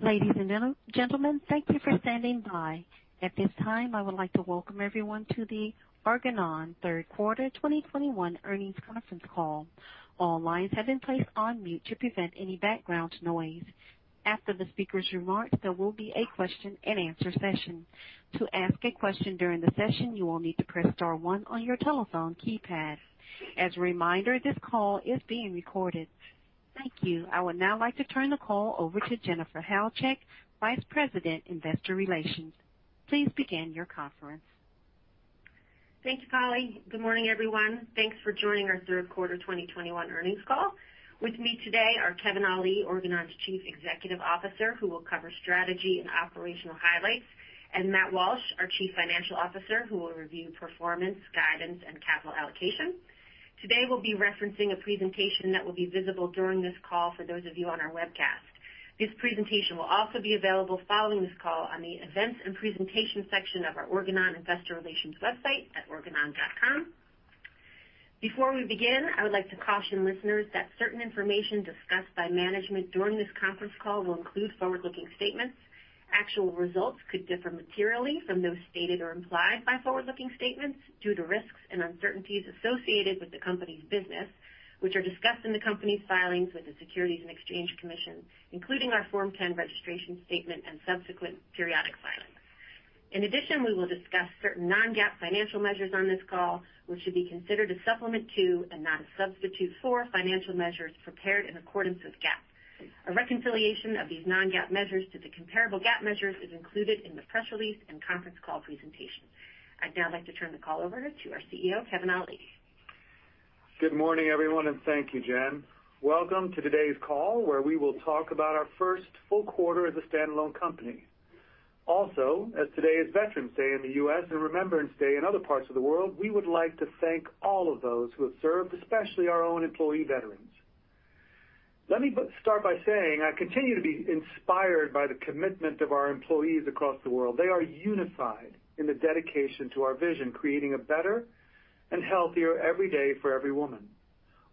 Ladies and gentlemen, thank you for standing by. At this time, I would like to welcome everyone to the Organon third quarter 2021 earnings conference call. All lines have been placed on mute to prevent any background noise. After the speaker's remarks, there will be a question-and-answer session. To ask a question during the session, you will need to press star one on your telephone keypad. As a reminder, this call is being recorded. Thank you. I would now like to turn the call over to Jennifer Halchak, Vice President, Investor Relations. Please begin your conference. Thank you, Polly. Good morning, everyone. Thanks for joining our third quarter 2021 earnings call. With me today are Kevin Ali, Organon's Chief Executive Officer, who will cover strategy and operational highlights, and Matt Walsh, our Chief Financial Officer, who will review performance, guidance, and capital allocation. Today, we'll be referencing a presentation that will be visible during this call for those of you on our webcast. This presentation will also be available following this call on the Events and Presentation section of our Organon Investor Relations website at organon.com. Before we begin, I would like to caution listeners that certain information discussed by management during this conference call will include forward-looking statements. Actual results could differ materially from those stated or implied by forward-looking statements due to risks and uncertainties associated with the company's business, which are discussed in the company's filings with the Securities and Exchange Commission, including our Form 10 registration statement and subsequent periodic filings. In addition, we will discuss certain non-GAAP financial measures on this call, which should be considered a supplement to and not a substitute for financial measures prepared in accordance with GAAP. A reconciliation of these non-GAAP measures to the comparable GAAP measures is included in the press release and conference call presentation. I'd now like to turn the call over to our CEO, Kevin Ali. Good morning, everyone, and thank you, Jen. Welcome to today's call, where we will talk about our first full quarter as a standalone company. Also, as today is Veterans Day in the U.S. and Remembrance Day in other parts of the world, we would like to thank all of those who have served, especially our own employee veterans. Let me start by saying I continue to be inspired by the commitment of our employees across the world. They are unified in the dedication to our vision, creating a better and healthier every day for every woman.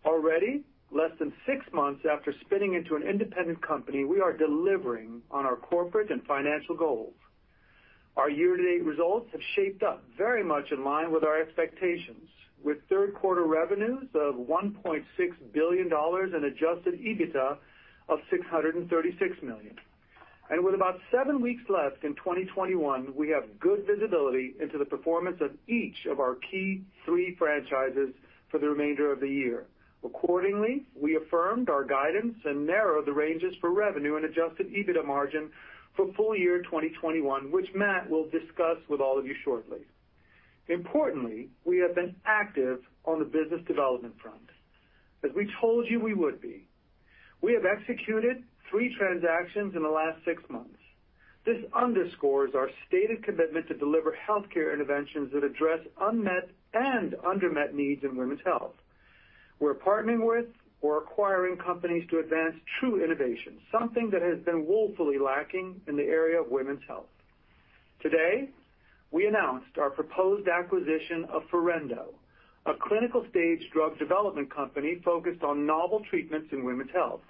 Already, less than six months after spinning into an independent company, we are delivering on our corporate and financial goals. Our year-to-date results have shaped up very much in line with our expectations, with third quarter revenues of $1.6 billion and adjusted EBITDA of $636 million. With about seven weeks left in 2021, we have good visibility into the performance of each of our key three franchises for the remainder of the year. Accordingly, we affirmed our guidance and narrowed the ranges for revenue and adjusted EBITDA margin for full year 2021, which Matt will discuss with all of you shortly. Importantly, we have been active on the business development front, as we told you we would be. We have executed three transactions in the last six months. This underscores our stated commitment to deliver healthcare interventions that address unmet and undermet needs in women's health. We're partnering with or acquiring companies to advance true innovation, something that has been woefully lacking in the area of women's health. Today, we announced our proposed acquisition of Forendo, a clinical-stage drug development company focused on novel treatments in women's health.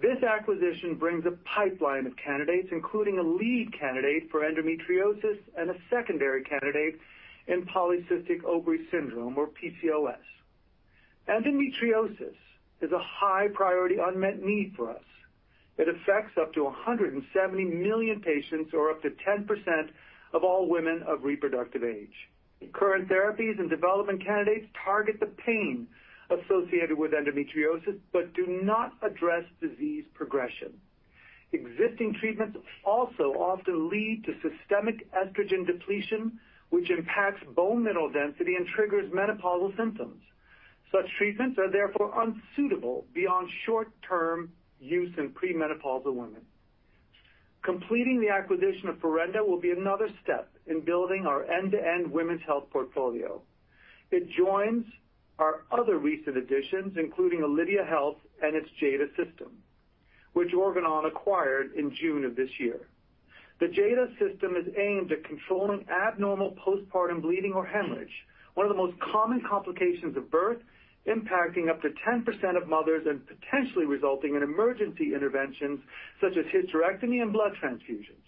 This acquisition brings a pipeline of candidates, including a lead candidate for endometriosis and a secondary candidate in polycystic ovary syndrome or PCOS. Endometriosis is a high-priority unmet need for us. It affects up to 170 million patients or up to 10% of all women of reproductive age. Current therapies and development candidates target the pain associated with endometriosis but do not address disease progression. Existing treatments also often lead to systemic estrogen depletion, which impacts bone mineral density and triggers menopausal symptoms. Such treatments are therefore unsuitable beyond short-term use in premenopausal women. Completing the acquisition of Forendo will be another step in building our end-to-end women's health portfolio. It joins our other recent additions, including Alydia Health and its Jada System, which Organon acquired in June of this year. The Jada System is aimed at controlling abnormal postpartum bleeding or hemorrhage, one of the most common complications of birth, impacting up to 10% of mothers and potentially resulting in emergency interventions such as hysterectomy and blood transfusions.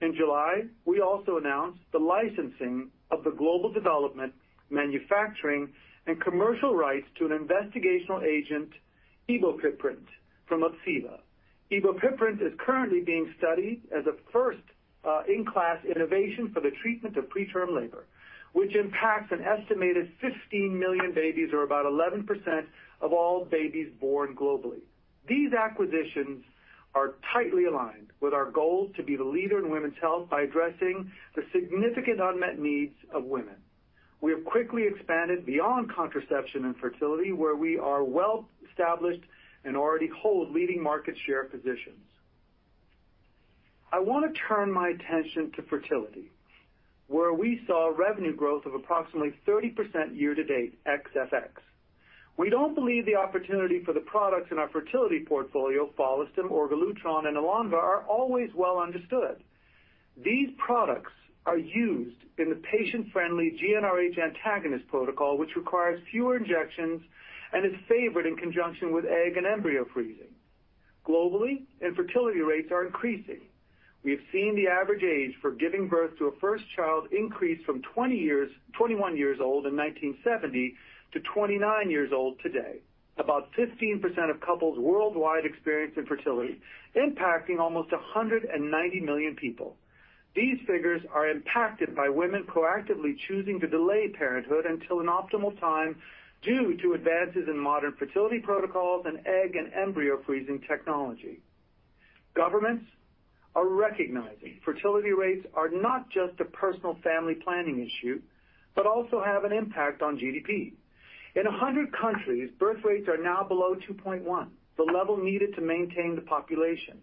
In July, we also announced the licensing of the global development, manufacturing, and commercial rights to an investigational agent, Ebopiprant, from ObsEva. Ebopiprant is currently being studied as a first, in-class innovation for the treatment of preterm labor, which impacts an estimated 15 million babies or about 11% of all babies born globally. These acquisitions are tightly aligned with our goal to be the leader in women's health by addressing the significant unmet needs of women. We have quickly expanded beyond contraception and fertility, where we are well established and already hold leading market share positions. I want to turn my attention to fertility, where we saw revenue growth of approximately 30% year-to-date ex-FX. We don't believe the opportunity for the products in our fertility portfolio, Follistim, Orgalutran, and Elonva, are always well understood. These products are used in the patient-friendly GnRH antagonist protocol, which requires fewer injections and is favored in conjunction with egg and embryo freezing. Globally, infertility rates are increasing. We have seen the average age for giving birth to a first child increase from 21 years old in 1970 to 29 years old today. About 15% of couples worldwide experience infertility, impacting almost 190 million people. These figures are impacted by women proactively choosing to delay parenthood until an optimal time due to advances in modern fertility protocols and egg and embryo freezing technology. Governments are recognizing fertility rates are not just a personal family planning issue, but also have an impact on GDP. In 100 countries, birth rates are now below 2.1, the level needed to maintain the population.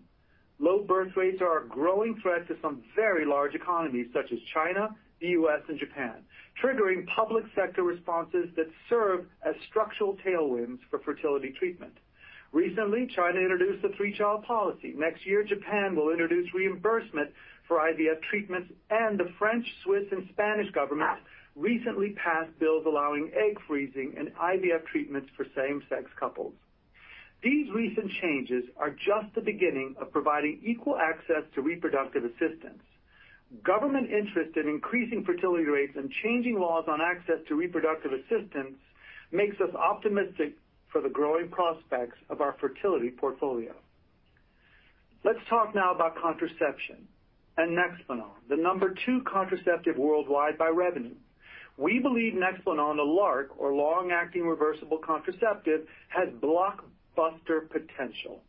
Low birth rates are a growing threat to some very large economies such as China, the U.S., and Japan, triggering public sector responses that serve as structural tailwinds for fertility treatment. Recently, China introduced a three-child policy. Next year, Japan will introduce reimbursement for IVF treatments, and the French, Swiss, and Spanish governments recently passed bills allowing egg freezing and IVF treatments for same-sex couples. These recent changes are just the beginning of providing equal access to reproductive assistance. Government interest in increasing fertility rates and changing laws on access to reproductive assistance makes us optimistic for the growing prospects of our fertility portfolio. Let's talk now about contraception and Nexplanon, the number two contraceptive worldwide by revenue. We believe Nexplanon, a LARC, or long-acting reversible contraceptive, has blockbuster potential.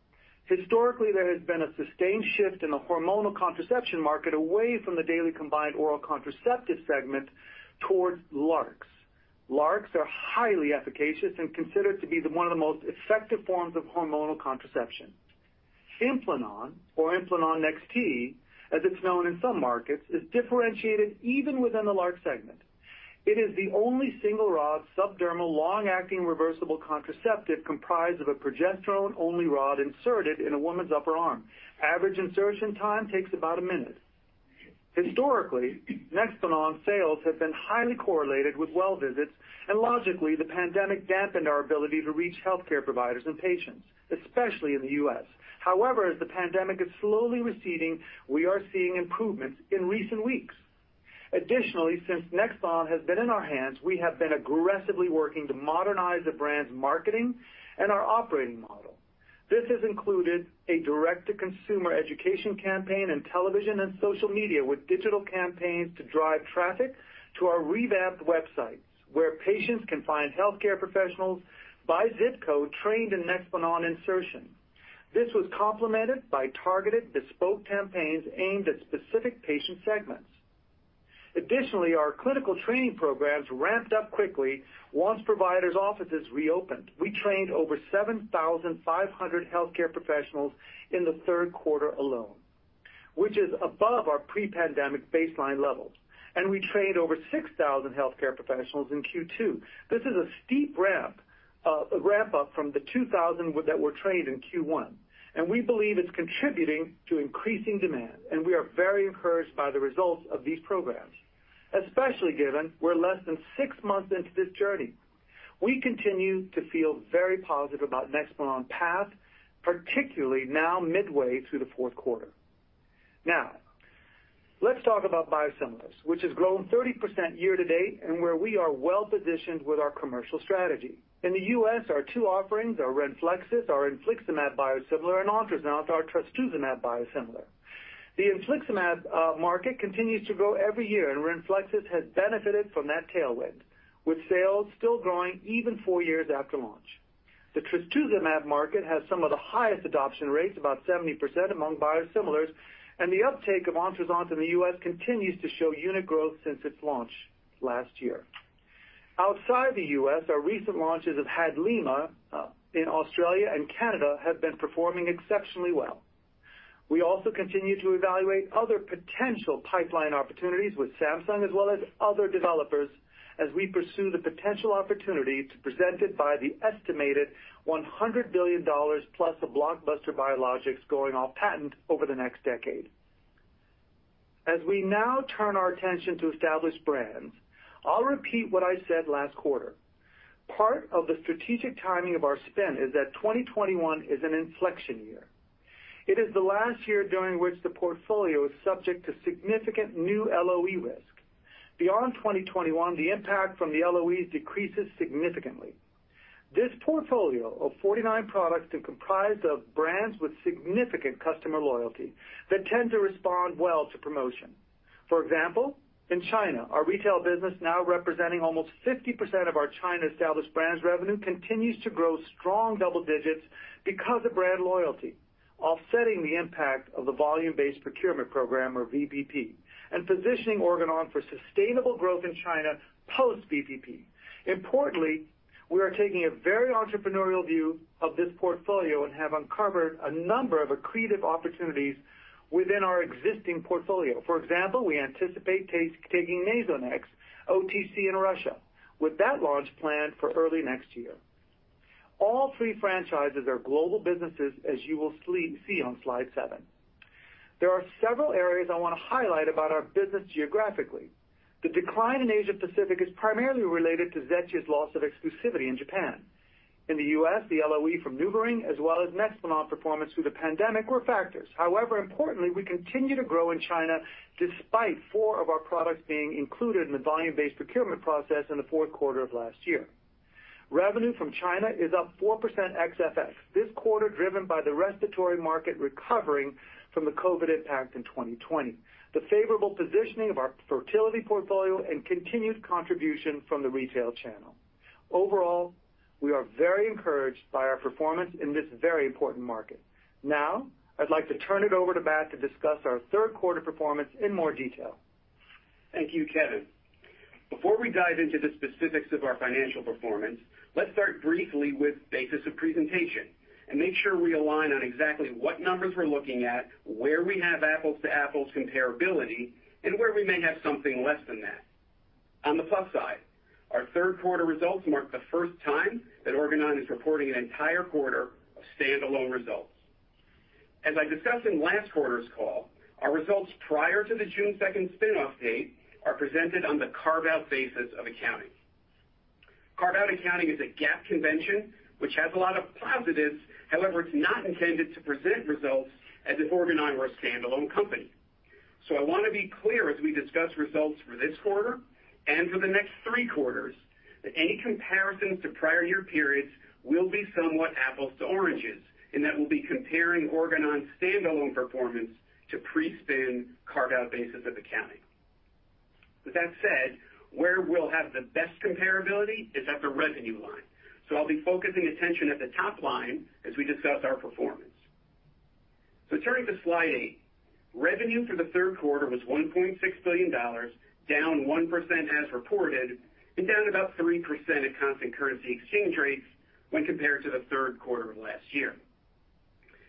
Historically, there has been a sustained shift in the hormonal contraception market away from the daily combined oral contraceptive segment towards LARCs. LARCs are highly efficacious and considered to be the one of the most effective forms of hormonal contraception. Implanon or Implanon NXT, as it's known in some markets, is differentiated even within the LARC segment. It is the only single-rod subdermal long-acting reversible contraceptive comprised of a progesterone-only rod inserted in a woman's upper arm. Average insertion time takes about a minute. Historically, Nexplanon sales have been highly correlated with well visits, and logically, the pandemic dampened our ability to reach healthcare providers and patients, especially in the U.S. However, as the pandemic is slowly receding, we are seeing improvements in recent weeks. Additionally, since Nexplanon has been in our hands, we have been aggressively working to modernize the brand's marketing and our operating model. This has included a direct-to-consumer education campaign in television and social media, with digital campaigns to drive traffic to our revamped websites, where patients can find healthcare professionals by zip code trained in Nexplanon insertion. This was complemented by targeted bespoke campaigns aimed at specific patient segments. Additionally, our clinical training programs ramped up quickly once providers' offices reopened. We trained over 7,500 healthcare professionals in the third quarter alone, which is above our pre-pandemic baseline levels, and we trained over 6,000 healthcare professionals in Q2. This is a steep ramp up from the 2,000 that were trained in Q1, and we believe it's contributing to increasing demand, and we are very encouraged by the results of these programs, especially given we're less than six months into this journey. We continue to feel very positive about Nexplanon path, particularly now midway through the fourth quarter. Now, let's talk about biosimilars, which has grown 30% year to date and where we are well-positioned with our commercial strategy. In the U.S., our two offerings are RENFLEXIS, our infliximab biosimilar, and Ontruzant, our trastuzumab biosimilar. The infliximab market continues to grow every year, and RENFLEXIS has benefited from that tailwind, with sales still growing even four years after launch. The trastuzumab market has some of the highest adoption rates, about 70% among biosimilars, and the uptake of Ontruzant in the U.S. continues to show unit growth since its launch last year. Outside the U.S., our recent launches of Hadlima in Australia and Canada have been performing exceptionally well. We also continue to evaluate other potential pipeline opportunities with Samsung as well as other developers as we pursue the potential opportunities presented by the estimated $100+ billion of blockbuster biologics going off patent over the next decade. As we now turn our attention to established brands, I'll repeat what I said last quarter. Part of the strategic timing of our spend is that 2021 is an inflection year. It is the last year during which the portfolio is subject to significant new LOE risk. Beyond 2021, the impact from the LOEs decreases significantly. This portfolio of 49 products is comprised of brands with significant customer loyalty that tend to respond well to promotion. For example, in China, our retail business, now representing almost 50% of our China established brands revenue, continues to grow strong double digits because of brand loyalty, offsetting the impact of the volume-based procurement program or VBP, and positioning Organon for sustainable growth in China post VBP. Importantly, we are taking a very entrepreneurial view of this portfolio and have uncovered a number of accretive opportunities within our existing portfolio. For example, we anticipate taking Nasonex OTC in Russia, with that launch planned for early next year. All three franchises are global businesses, as you will see on slide 7. There are several areas I wanna highlight about our business geographically. The decline in Asia Pacific is primarily related to Zetia's loss of exclusivity in Japan. In the U.S., the LOE from NuvaRing as well as Nexplanon performance through the pandemic were factors. However, importantly, we continue to grow in China despite four of our products being included in the volume-based procurement process in the fourth quarter of last year. Revenue from China is up 4% ex-FX this quarter, driven by the respiratory market recovering from the COVID impact in 2020, the favorable positioning of our fertility portfolio, and continued contribution from the retail channel. Overall, we are very encouraged by our performance in this very important market. Now, I'd like to turn it over to Matt to discuss our third quarter performance in more detail. Thank you, Kevin. Before we dive into the specifics of our financial performance, let's start briefly with basis of presentation and make sure we align on exactly what numbers we're looking at, where we have apples to apples comparability, and where we may have something less than that. On the plus side, our third quarter results mark the first time that Organon is reporting an entire quarter of standalone results. As I discussed in last quarter's call, our results prior to the June second spin-off date are presented on the carve-out basis of accounting. Carve-out accounting is a GAAP convention which has a lot of positives. However, it's not intended to present results as if Organon were a standalone company. I wanna be clear as we discuss results for this quarter and for the next three quarters that any comparisons to prior year periods will be somewhat apples to oranges, and that we'll be comparing Organon's standalone performance to pre-spin carve-out basis of accounting. With that said, where we'll have the best comparability is at the revenue line, so I'll be focusing attention at the top line as we discuss our performance. Turning to slide 8. Revenue for the third quarter was $1.6 billion, down 1% as reported and down about 3% at constant currency exchange rates when compared to the third quarter of last year.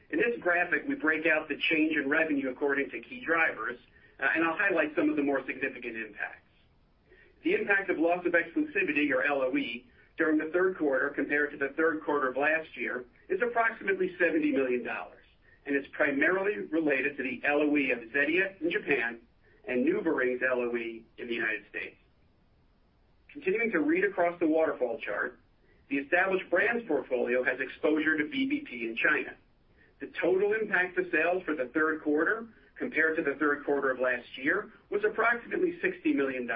In this graphic, we break out the change in revenue according to key drivers, and I'll highlight some of the more significant impacts. The impact of loss of exclusivity or LOE during the third quarter compared to the third quarter of last year is approximately $70 million and is primarily related to the LOE of Zetia in Japan and NuvaRing's LOE in the United States. Continuing to read across the waterfall chart, the established brands portfolio has exposure to VBP in China. The total impact to sales for the third quarter compared to the third quarter of last year was approximately $60 million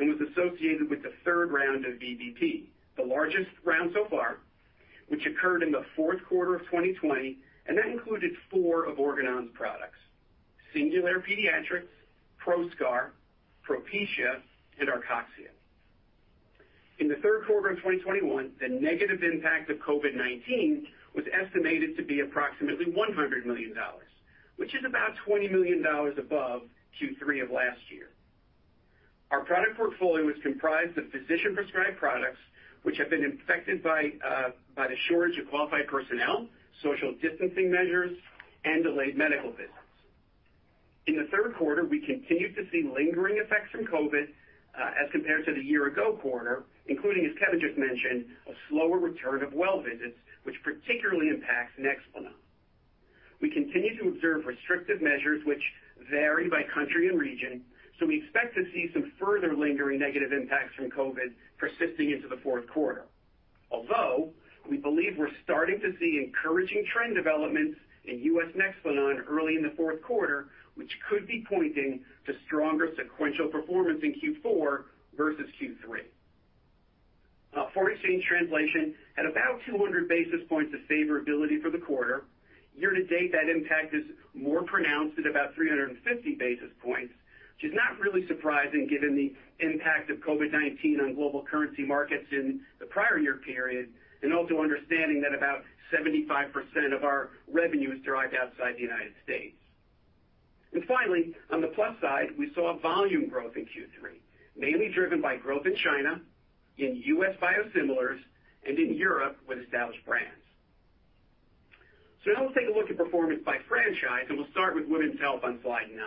and was associated with the third round of VBP, the largest round so far, which occurred in the fourth quarter of 2020, and that included four of Organon's products, Singulair Pediatrics, Proscar, Propecia, and Arcoxia. In the third quarter of 2021, the negative impact of COVID-19 was estimated to be approximately $100 million, which is about $20 million above Q3 of last year. Our product portfolio is comprised of physician-prescribed products, which have been affected by the shortage of qualified personnel, social distancing measures, and delayed medical visits. In the third quarter, we continued to see lingering effects from COVID, as compared to the year-ago quarter, including, as Kevin just mentioned, a slower return of well visits, which particularly impacts Nexplanon. We continue to observe restrictive measures which vary by country and region, so we expect to see some further lingering negative impacts from COVID persisting into the fourth quarter. Although we believe we're starting to see encouraging trend developments in U.S. Nexplanon early in the fourth quarter, which could be pointing to stronger sequential performance in Q4 versus Q3. Now, foreign exchange translation had about 200 basis points of favorability for the quarter. Year to date, that impact is more pronounced at about 350 basis points, which is not really surprising given the impact of COVID-19 on global currency markets in the prior year period, and also understanding that about 75% of our revenue is derived outside the U.S. Finally, on the plus side, we saw volume growth in Q3, mainly driven by growth in China, in U.S. biosimilars, and in Europe with established brands. Now let's take a look at performance by franchise, and we'll start with Women's Health on slide 9.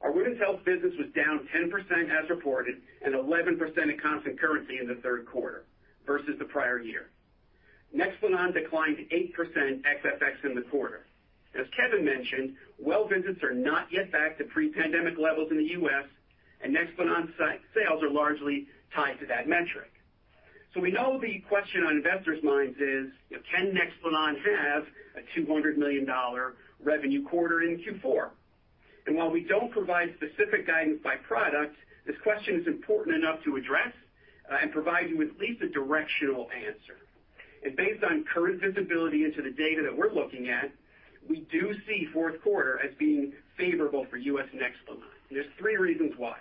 Our Women's Health business was down 10% as reported and 11% in constant currency in the third quarter versus the prior year. Nexplanon declined 8% ex-FX in the quarter. As Kevin mentioned, well visits are not yet back to pre-pandemic levels in the U.S., and Nexplanon sales are largely tied to that metric. We know the question on investors' minds is, you know, can Nexplanon have a $200 million revenue quarter in Q4? While we don't provide specific guidance by product, this question is important enough to address, and provide you with at least a directional answer. Based on current visibility into the data that we're looking at, we do see fourth quarter as being favorable for U.S. Nexplanon, and there's three reasons why.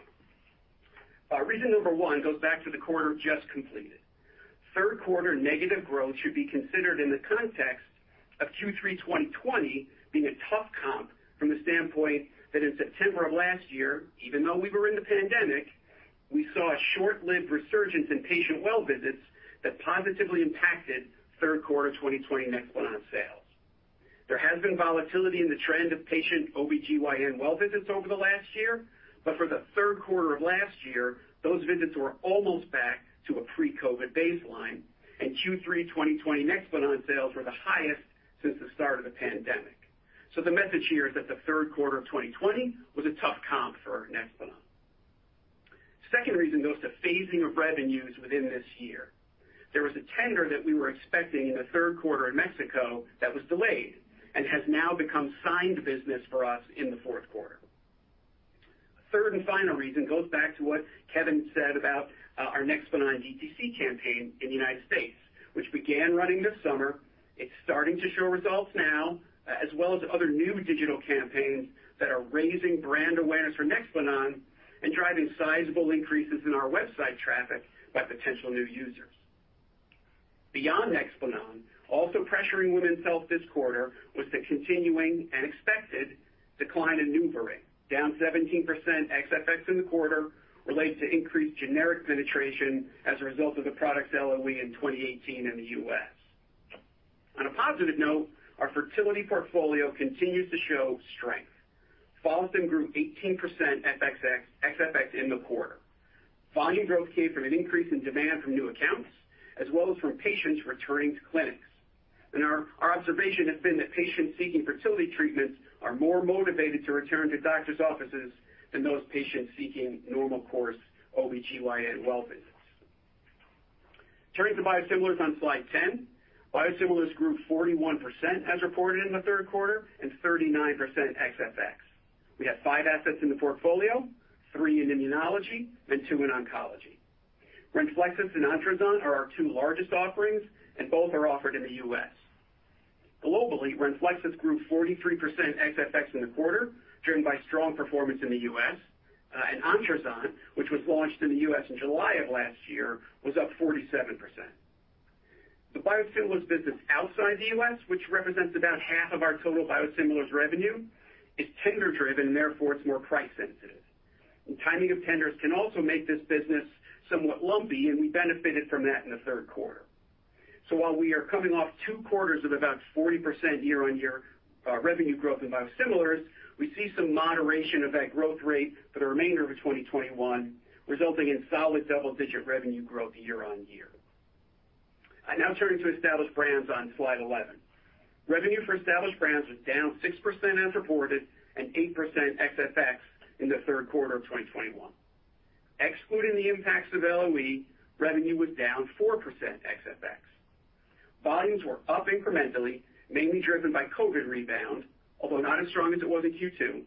Reason number one goes back to the quarter just completed. Third quarter negative growth should be considered in the context of Q3 2020 being a tough comp from the standpoint that in September of last year, even though we were in the pandemic, we saw a short-lived resurgence in patient well visits that positively impacted third quarter 2020 Nexplanon sales. There has been volatility in the trend of patient OBGYN well visits over the last year, but for the third quarter of last year, those visits were almost back to a pre-COVID baseline, and Q3 2020 Nexplanon sales were the highest since the start of the pandemic. The message here is that the third quarter of 2020 was a tough comp for Nexplanon. Second reason goes to phasing of revenues within this year. There was a tender that we were expecting in the third quarter in Mexico that was delayed and has now become signed business for us in the fourth quarter. Third and final reason goes back to what Kevin said about our Nexplanon DTC campaign in the United States, which began running this summer. It's starting to show results now, as well as other new digital campaigns that are raising brand awareness for Nexplanon and driving sizable increases in our website traffic by potential new users. Beyond Nexplanon, also pressuring women's health this quarter was the continuing and expected decline in NuvaRing, down 17% ex-FX in the quarter related to increased generic penetration as a result of the product's LOE in 2018 in the U.S. On a positive note, our fertility portfolio continues to show strength. Follistim grew 18% ex-FX in the quarter. Volume growth came from an increase in demand from new accounts as well as from patients returning to clinics. Our observation has been that patients seeking fertility treatments are more motivated to return to doctor's offices than those patients seeking normal course OB-GYN well visits. Turning to biosimilars on slide 10. Biosimilars grew 41% as reported in the third quarter and 39% ex-FX. We have five assets in the portfolio, three in immunology and two in oncology. RENFLEXIS and Ontruzant are our two largest offerings, and both are offered in the U.S. Globally, RENFLEXIS grew 43% ex-FX in the quarter, driven by strong performance in the U.S. Ontruzant, which was launched in the U.S. in July of last year, was up 47%. The biosimilars business outside the U.S., which represents about half of our total biosimilars revenue, is tender-driven, and therefore, it's more price sensitive. Timing of tenders can also make this business somewhat lumpy, and we benefited from that in the third quarter. While we are coming off two quarters of about 40% year-over-year revenue growth in biosimilars, we see some moderation of that growth rate for the remainder of 2021, resulting in solid double-digit revenue growth year-over-year. I now turn to Established Brands on slide 11. Revenue for Established Brands was down 6% as reported and 8% ex-FX in the third quarter of 2021. Excluding the impacts of LOE, revenue was down 4% ex-FX. Volumes were up incrementally, mainly driven by COVID rebound, although not as strong as it was in Q2,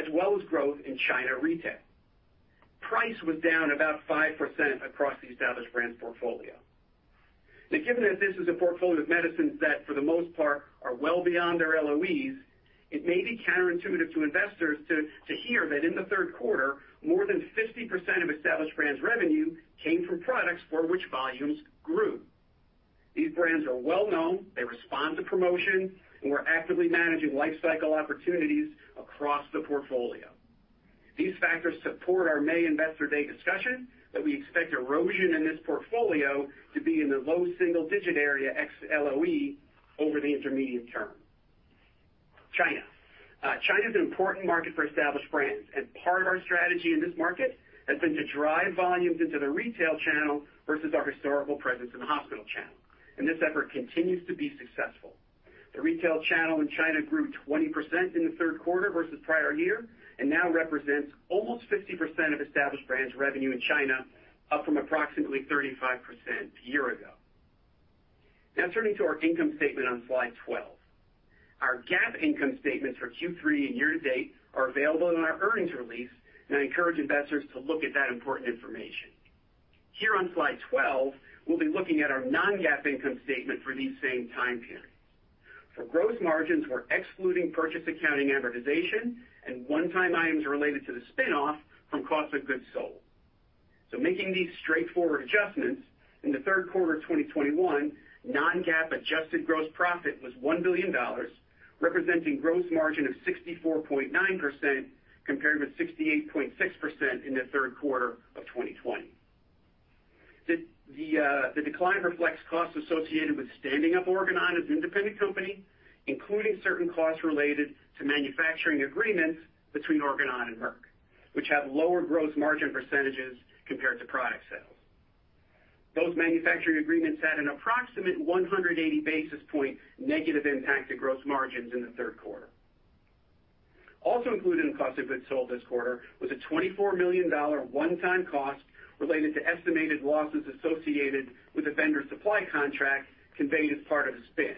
as well as growth in China retail. Price was down about 5% across the established brands portfolio. Now, given that this is a portfolio of medicines that for the most part are well beyond their LOEs, it may be counterintuitive to investors to hear that in the third quarter, more than 50% of established brands revenue came from products for which volumes grew. These brands are well-known, they respond to promotion, and we're actively managing life cycle opportunities across the portfolio. These factors support our May investor day discussion that we expect erosion in this portfolio to be in the low single-digit area ex-LOE over the intermediate term. China. China is an important market for established brands, and part of our strategy in this market has been to drive volumes into the retail channel versus our historical presence in the hospital channel, and this effort continues to be successful. The retail channel in China grew 20% in the third quarter versus prior year and now represents almost 50% of established brands revenue in China, up from approximately 35% a year ago. Now turning to our income statement on slide 12. Our GAAP income statements for Q3 and year to date are available in our earnings release, and I encourage investors to look at that important information. Here on slide 12, we'll be looking at our non-GAAP income statement for these same time periods. For gross margins, we're excluding purchase accounting amortization and one-time items related to the spin-off from cost of goods sold. Making these straightforward adjustments, in the third quarter of 2021, non-GAAP adjusted gross profit was $1 billion, representing gross margin of 64.9% compared with 68.6% in the third quarter of 2020. The decline reflects costs associated with standing up Organon as an independent company, including certain costs related to manufacturing agreements between Organon and Merck, which have lower gross margin percentages compared to product sales. Those manufacturing agreements had an approximate 180 basis point negative impact to gross margins in the third quarter. Also included in cost of goods sold this quarter was a $24 million one-time cost related to estimated losses associated with a vendor supply contract conveyed as part of the spin,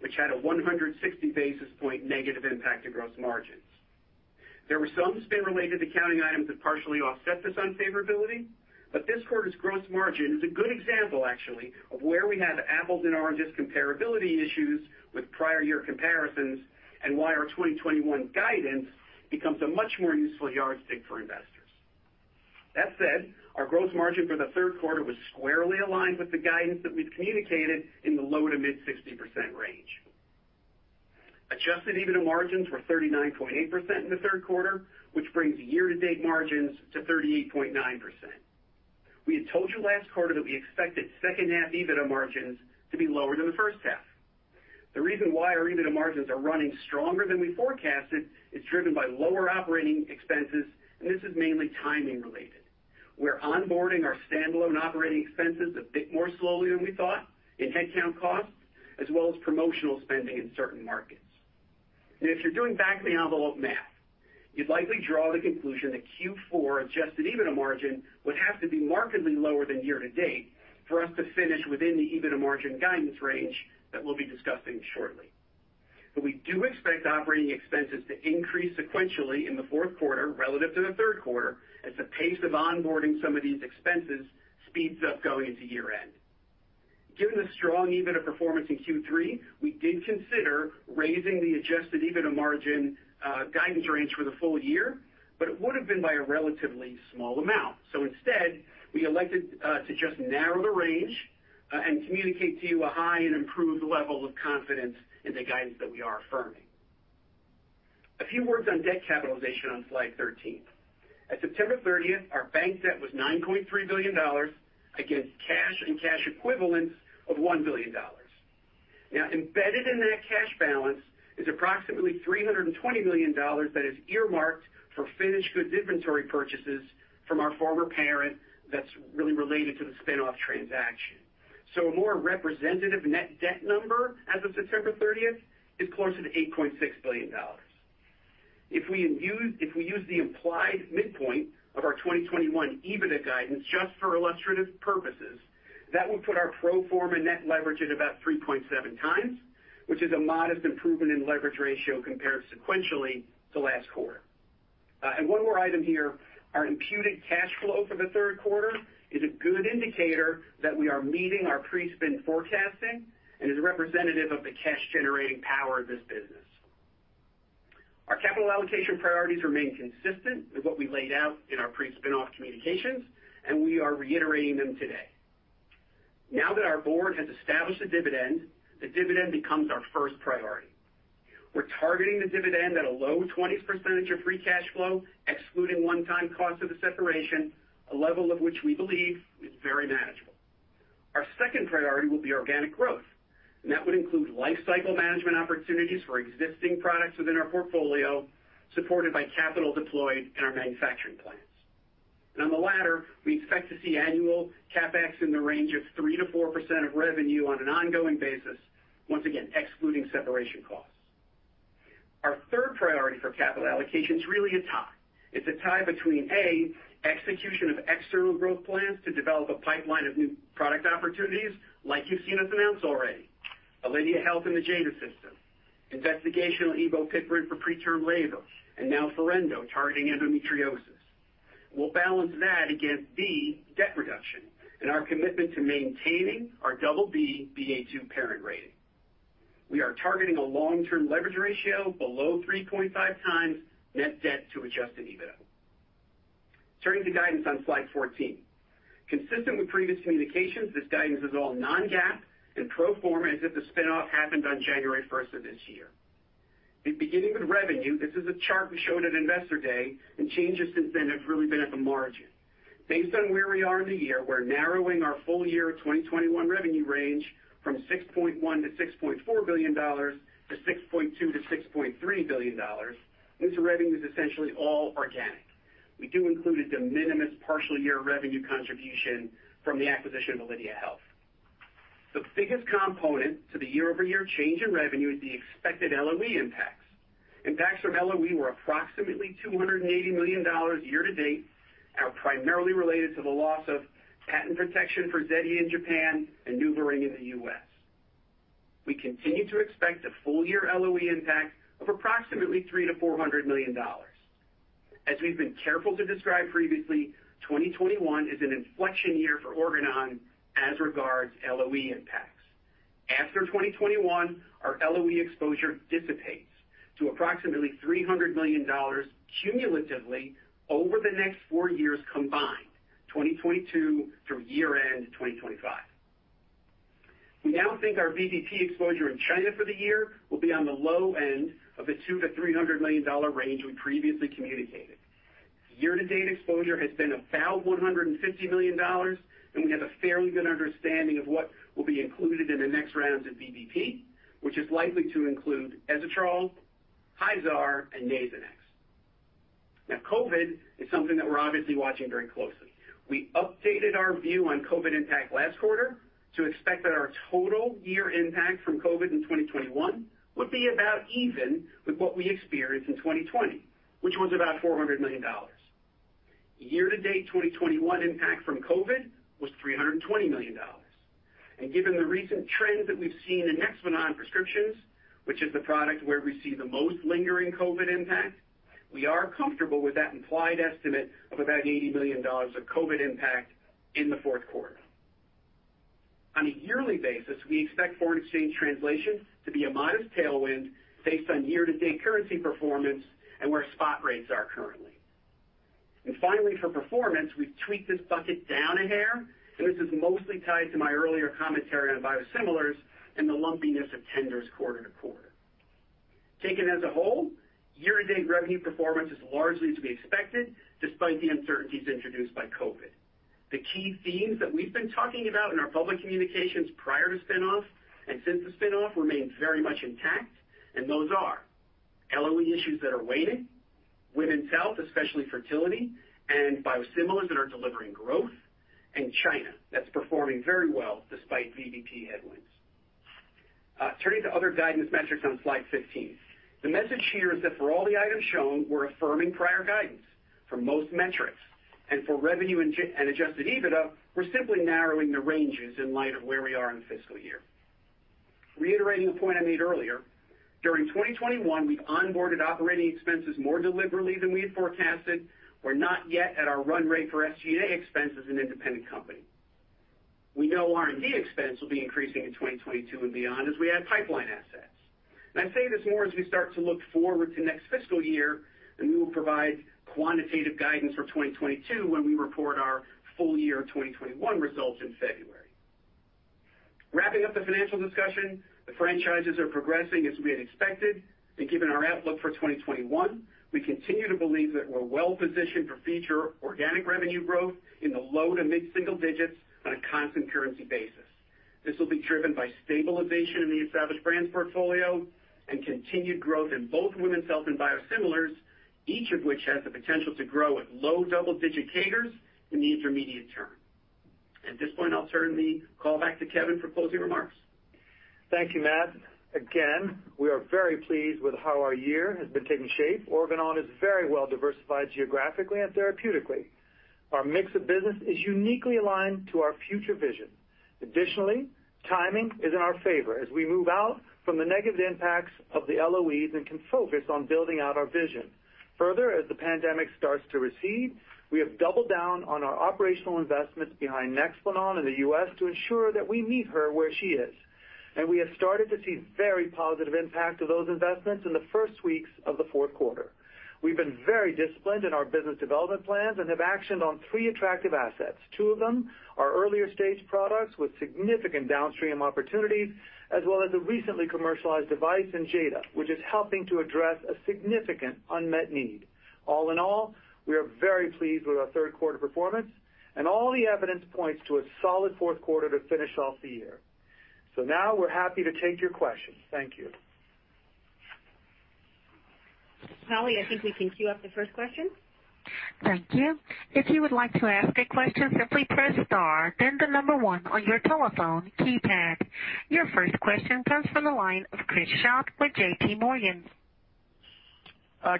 which had a 160 basis point negative impact to gross margins. There were some spin-related accounting items that partially offset this unfavorability, but this quarter's gross margin is a good example actually of where we have apples and oranges comparability issues with prior year comparisons and why our 2021 guidance becomes a much more useful yardstick for investors. That said, our gross margin for the third quarter was squarely aligned with the guidance that we've communicated in the low-to-mid 60% range. Adjusted EBITDA margins were 39.8% in the third quarter, which brings year-to-date margins to 38.9%. We had told you last quarter that we expected second half EBITDA margins to be lower than the first half. The reason why our EBITDA margins are running stronger than we forecasted is driven by lower operating expenses, and this is mainly timing related. We're onboarding our standalone operating expenses a bit more slowly than we thought in headcount costs, as well as promotional spending in certain markets. If you're doing back of the envelope math, you'd likely draw the conclusion that Q4 adjusted EBITDA margin would have to be markedly lower than year to date for us to finish within the EBITDA margin guidance range that we'll be discussing shortly. We do expect operating expenses to increase sequentially in the fourth quarter relative to the third quarter as the pace of onboarding some of these expenses speeds up going into year-end. Given the strong EBITDA performance in Q3, we did consider raising the adjusted EBITDA margin guidance range for the full year, but it would have been by a relatively small amount. Instead, we elected to just narrow the range and communicate to you a high and improved level of confidence in the guidance that we are affirming. A few words on debt capitalization on slide 13. At September 30, our bank debt was $9.3 billion against cash and cash equivalents of $1 billion. Now, embedded in that cash balance is approximately $320 million that is earmarked for finished goods inventory purchases from our former parent that's really related to the spin-off transaction. A more representative net debt number as of September 30 is closer to $8.6 billion. If we use the implied midpoint of our 2021 EBITDA guidance just for illustrative purposes, that would put our pro forma net leverage at about 3.7x, which is a modest improvement in leverage ratio compared sequentially to last quarter. One more item here. Our imputed cash flow for the third quarter is a good indicator that we are meeting our pre-spin forecasting and is representative of the cash generating power of this business. Our capital allocation priorities remain consistent with what we laid out in our pre-spin off communications, and we are reiterating them today. Now that our board has established a dividend, the dividend becomes our first priority. We're targeting the dividend at a low 20s% of free cash flow, excluding one-time cost of the separation, a level of which we believe is very manageable. Our second priority will be organic growth, and that would include life cycle management opportunities for existing products within our portfolio, supported by capital deployed in our manufacturing plants. On the latter, we expect to see annual CapEx in the range of 3% to 4% of revenue on an ongoing basis, once again, excluding separation costs. Our third priority for capital allocation is really a tie. It's a tie between A, execution of external growth plans to develop a pipeline of new product opportunities like you've seen us announce already. Alydia Health and the Jada System, investigational Ebopiprant for preterm labor, and now Forendo targeting endometriosis. We'll balance that against B, debt reduction and our commitment to maintaining our BB/Ba2 parent rating. We are targeting a long-term leverage ratio below 3.5x net debt to adjusted EBITDA. Turning to guidance on slide 14. Consistent with previous communications, this guidance is all non-GAAP and pro forma as if the spin-off happened on January first of this year. Beginning with revenue, this is a chart we showed at Investor Day and changes since then have really been at the margin. Based on where we are in the year, we're narrowing our full year 2021 revenue range from $6.1 billion to $6.4 billion to $6.2 billion to $6.3 billion. This revenue is essentially all organic. We do include a de minimis partial year revenue contribution from the acquisition of Alydia Health. The biggest component to the year-over-year change in revenue is the expected LOE impacts. Impacts from LOE were approximately $280 million year to date and are primarily related to the loss of patent protection for Zetia in Japan and NuvaRing in the U.S. We continue to expect a full year LOE impact of approximately $300 million to $400 million. As we've been careful to describe previously, 2021 is an inflection year for Organon as regards LOE impacts. After 2021, our LOE exposure dissipates to approximately $300 million cumulatively over the next four years combined, 2022 through year-end 2025. We now think our VBP exposure in China for the year will be on the low end of the $200 million to $300 million range we previously communicated. Year-to-date exposure has been about $150 million, and we have a fairly good understanding of what will be included in the next rounds of VBP, which is likely to include Ezetrol, Hyzaar, and Nasonex. Now COVID is something that we're obviously watching very closely. We updated our view on COVID impact last quarter to expect that our total year impact from COVID in 2021 would be about even with what we experienced in 2020, which was about $400 million. Year to date, 2021 impact from COVID was $320 million. Given the recent trends that we've seen in Nexplanon prescriptions, which is the product where we see the most lingering COVID impact, we are comfortable with that implied estimate of about $80 million of COVID impact in the fourth quarter. On a yearly basis, we expect foreign exchange translation to be a modest tailwind based on year-to-date currency performance and where spot rates are currently. Finally, for performance, we've tweaked this bucket down a hair, and this is mostly tied to my earlier commentary on biosimilars and the lumpiness of tenders quarter-to-quarter. Taken as a whole, year-to-date revenue performance is largely to be expected despite the uncertainties introduced by COVID. The key themes that we've been talking about in our public communications prior to spin-off and since the spin-off remains very much intact, and those are LOE issues that are waning, women's health, especially fertility, and biosimilars that are delivering growth, and China, that's performing very well despite VBP headwinds. Turning to other guidance metrics on slide 15, the message here is that for all the items shown, we're affirming prior guidance for most metrics. For revenue and adjusted EBITDA, we're simply narrowing the ranges in light of where we are in the fiscal year. Reiterating a point I made earlier, during 2021, we onboarded operating expenses more deliberately than we had forecasted. We're not yet at our run rate for SG&A expenses in independent company. We know R&D expense will be increasing in 2022 and beyond as we add pipeline assets. I say this more as we start to look forward to next fiscal year, and we will provide quantitative guidance for 2022 when we report our full year 2021 results in February. Wrapping up the financial discussion, the franchises are progressing as we had expected. Given our outlook for 2021, we continue to believe that we're well-positioned for future organic revenue growth in the low- to mid-single digits on a constant currency basis. This will be driven by stabilization in the Established Brands portfolio and continued growth in both Women's Health and Biosimilars, each of which has the potential to grow at low double-digit CAGRs in the intermediate term. At this point, I'll turn the call back to Kevin for closing remarks. Thank you, Matt. Again, we are very pleased with how our year has been taking shape. Organon is very well diversified geographically and therapeutically. Our mix of business is uniquely aligned to our future vision. Additionally, timing is in our favor as we move out from the negative impacts of the LOEs and can focus on building out our vision. Further, as the pandemic starts to recede, we have doubled down on our operational investments behind Nexplanon in the U.S. to ensure that we meet her where she is. We have started to see very positive impact of those investments in the first weeks of the fourth quarter. We've been very disciplined in our business development plans and have actioned on three attractive assets. Two of them are earlier-stage products with significant downstream opportunities, as well as a recently commercialized device in Jada, which is helping to address a significant unmet need. All in all, we are very pleased with our third quarter performance, and all the evidence points to a solid fourth quarter to finish off the year. Now we're happy to take your questions. Thank you. Polly, I think we can queue up the first question. Thank you. If you would like to ask a question, simply press star then the number one on your telephone keypad. Your first question comes from the line of Chris Schott with JPMorgan.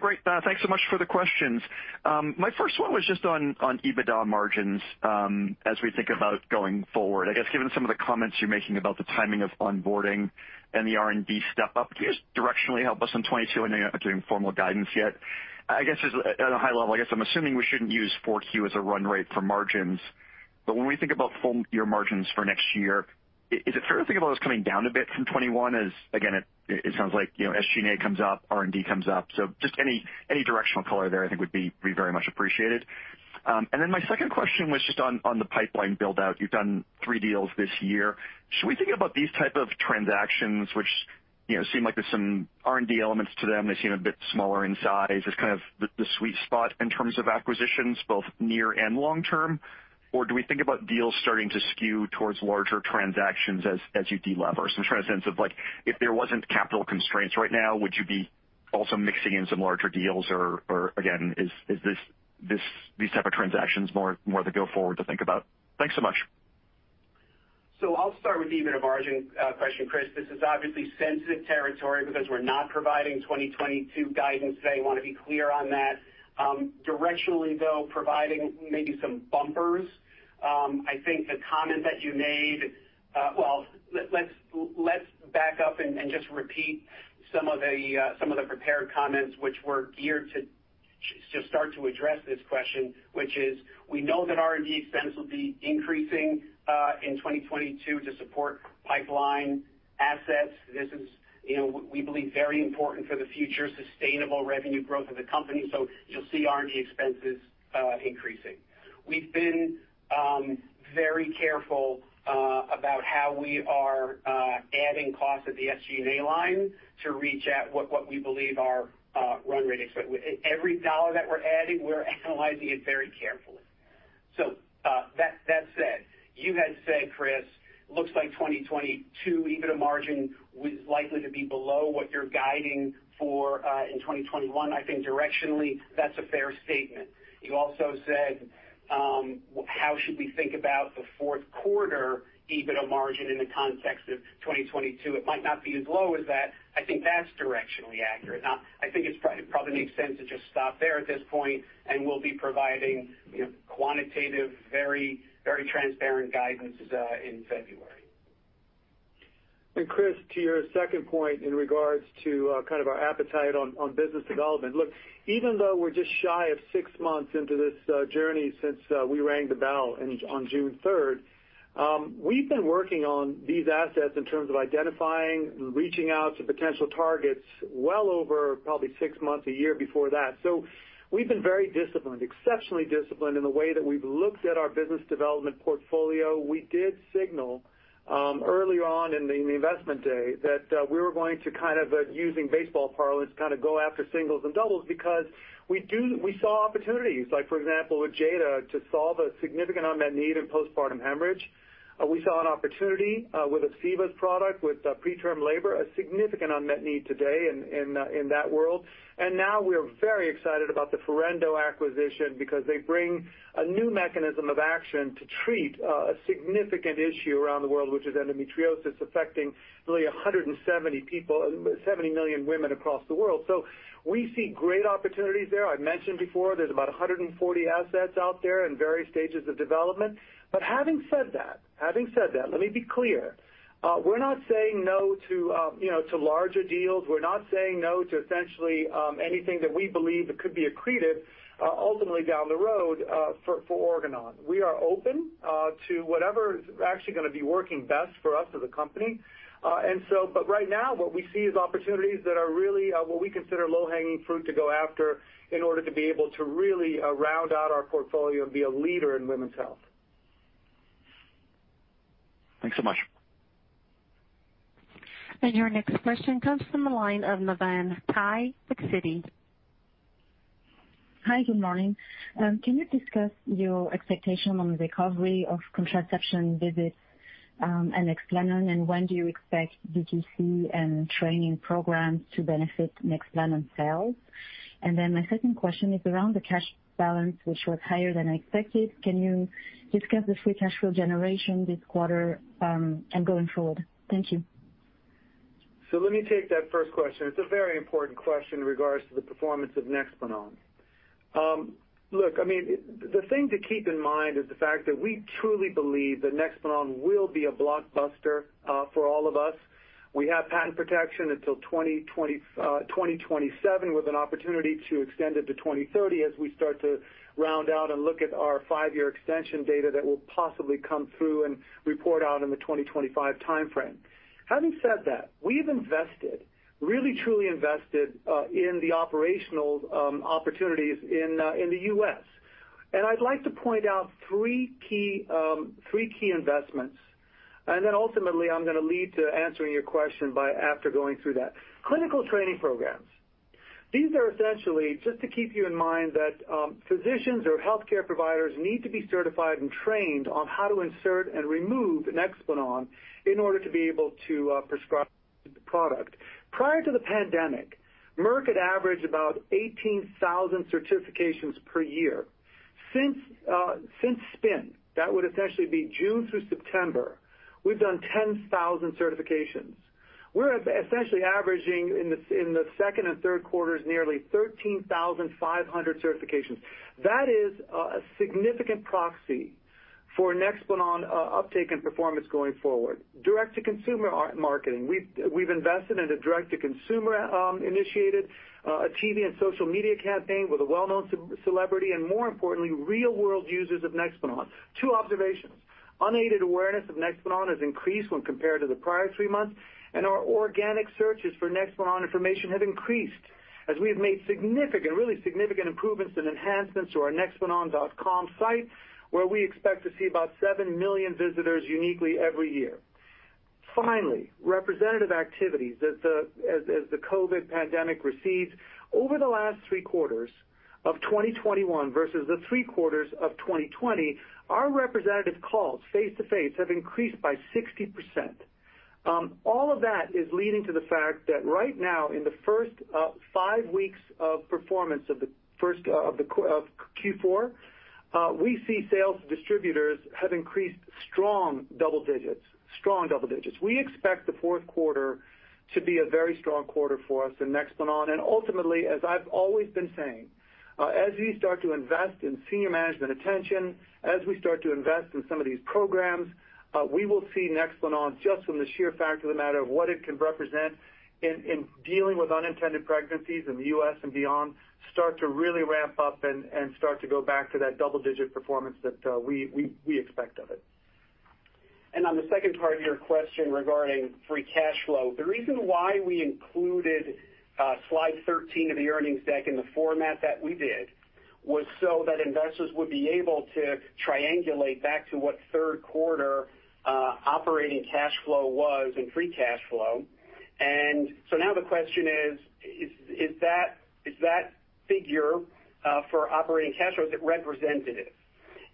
Great. Thanks so much for the questions. My first one was just on EBITDA margins as we think about going forward. I guess, given some of the comments you're making about the timing of onboarding and the R&D step up, can you just directionally help us in 2022? I know you're not doing formal guidance yet. I guess just at a high level, I guess I'm assuming we shouldn't use Q4 as a run rate for margins. When we think about full year margins for next year, is it fair to think about us coming down a bit from 2021? As again, it sounds like, you know, SG&A comes up, R&D comes up, so just any directional color there I think would be very much appreciated. My second question was just on the pipeline build-out. You've done three deals this year. Should we think about these type of transactions which, you know, seem like there's some R&D elements to them, they seem a bit smaller in size as kind of the sweet spot in terms of acquisitions, both near and long term? Or do we think about deals starting to skew towards larger transactions as you de-lever? Some sense of, like, if there wasn't capital constraints right now, would you be also mixing in some larger deals? Or again, is these type of transactions more the go forward to think about? Thanks so much. I'll start with the EBITDA margin question, Chris. This is obviously sensitive territory because we're not providing 2022 guidance today. We want to be clear on that. Directionally, though, providing maybe some bumpers, I think the comment that you made. Well, let's back up and just repeat some of the prepared comments which were geared to start to address this question, which is we know that R&D expense will be increasing in 2022 to support pipeline assets. This is, you know, we believe, very important for the future sustainable revenue growth of the company. You'll see R&D expenses increasing. We've been very careful about how we are adding costs at the SG&A line to reach at what we believe are run rate. Every dollar that we're adding, we're analyzing it very carefully. That said, you had said, Chris, looks like 2022 EBITDA margin was likely to be below what you're guiding for in 2021. I think directionally that's a fair statement. You also said, how should we think about the fourth quarter EBITDA margin in the context of 2022? It might not be as low as that. I think that's directionally accurate. Now, I think it's probably makes sense to just stop there at this point, and we'll be providing, you know, quantitative, very, very transparent guidance in February. Chris, to your second point in regards to kind of our appetite on business development. Look, even though we're just shy of six months into this journey since we rang the bell on June third, we've been working on these assets in terms of identifying, reaching out to potential targets well over probably six months, a year before that. We've been very disciplined, exceptionally disciplined in the way that we've looked at our business development portfolio. We did signal early on in the investment day that we were going to kind of, using baseball parlance, kind of go after singles and doubles because we do we saw opportunities, like for example with Jada, to solve a significant unmet need in postpartum hemorrhage. We saw an opportunity with ObsEva's product with preterm labor, a significant unmet need today in that world. Now we're very excited about the Forendo acquisition because they bring a new mechanism of action to treat a significant issue around the world, which is endometriosis, affecting really 70 million women across the world. We see great opportunities there. I've mentioned before, there's about 140 assets out there in various stages of development. Having said that, let me be clear, we're not saying no to you know, to larger deals. We're not saying no to essentially anything that we believe that could be accretive ultimately down the road for Organon. We are open to whatever is actually gonna be working best for us as a company. Right now, what we see is opportunities that are really what we consider low-hanging fruit to go after in order to be able to really round out our portfolio and be a leader in women's health. Thanks so much. Your next question comes from the line of Navann Ty with Citi. Hi, good morning. Can you discuss your expectation on the recovery of contraception visits, and Nexplanon, and when do you expect DTC and training programs to benefit Nexplanon sales? My second question is around the cash balance, which was higher than I expected. Can you discuss the free cash flow generation this quarter, and going forward? Thank you. Let me take that first question. It's a very important question in regards to the performance of Nexplanon. Look, I mean, the thing to keep in mind is the fact that we truly believe that Nexplanon will be a blockbuster for all of us. We have patent protection until 2027, with an opportunity to extend it to 2030 as we start to round out and look at our five-year extension data that will possibly come through and report out in the 2025 timeframe. Having said that, we've invested, really truly invested, in the operational opportunities in the U.S. I'd like to point out three key investments. Then ultimately, I'm gonna lead to answering your question by after going through that. Clinical training programs. These are essentially just to keep you in mind that, physicians or healthcare providers need to be certified and trained on how to insert and remove Nexplanon in order to be able to, prescribe the product. Prior to the pandemic, Merck had averaged about 18,000 certifications per year. Since spin, that would essentially be June through September, we've done 10,000 certifications. We're essentially averaging in the second and third quarters nearly 13,500 certifications. That is a significant proxy for Nexplanon uptake and performance going forward. Direct-to-consumer marketing. We've invested in a direct-to-consumer initiated a TV and social media campaign with a well-known celebrity, and more importantly, real-world users of Nexplanon. Two observations. Unaided awareness of Nexplanon has increased when compared to the prior three months, and our organic searches for Nexplanon information have increased as we have made significant, really significant improvements and enhancements to our nexplanon.com site, where we expect to see about 7 million visitors uniquely every year. Finally, representative activities. As the COVID pandemic recedes, over the last three quarters of 2021 versus the three quarters of 2020, our representative calls face-to-face have increased by 60%. All of that is leading to the fact that right now, in the first five weeks of Q4, we see sales to distributors have increased strong double digits. We expect the fourth quarter to be a very strong quarter for us in Nexplanon. Ultimately, as I've always been saying, as we start to invest in senior management attention, as we start to invest in some of these programs, we will see Nexplanon, just from the sheer fact of the matter of what it can represent in dealing with unintended pregnancies in the U.S. and beyond, start to really ramp up and start to go back to that double-digit performance that we expect of it. On the second part of your question regarding free cash flow, the reason why we included slide 13 of the earnings deck in the format that we did was so that investors would be able to triangulate back to what third quarter operating cash flow was and free cash flow. Now the question is that figure for operating cash flow representative?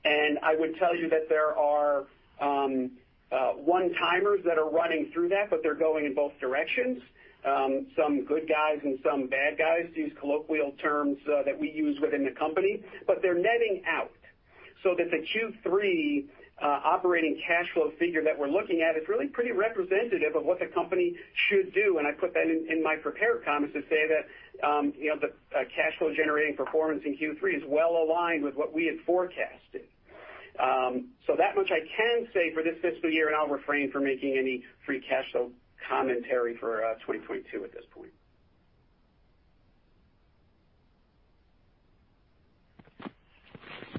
I would tell you that there are one-timers that are running through that, but they're going in both directions. Some good guys and some bad guys, these colloquial terms that we use within the company, but they're netting out. The Q3 operating cash flow figure that we're looking at is really pretty representative of what the company should do. I put that in my prepared comments to say that, you know, the cash flow generating performance in Q3 is well aligned with what we had forecasted. That much I can say for this fiscal year, and I'll refrain from making any free cash flow commentary for 2022 at this point.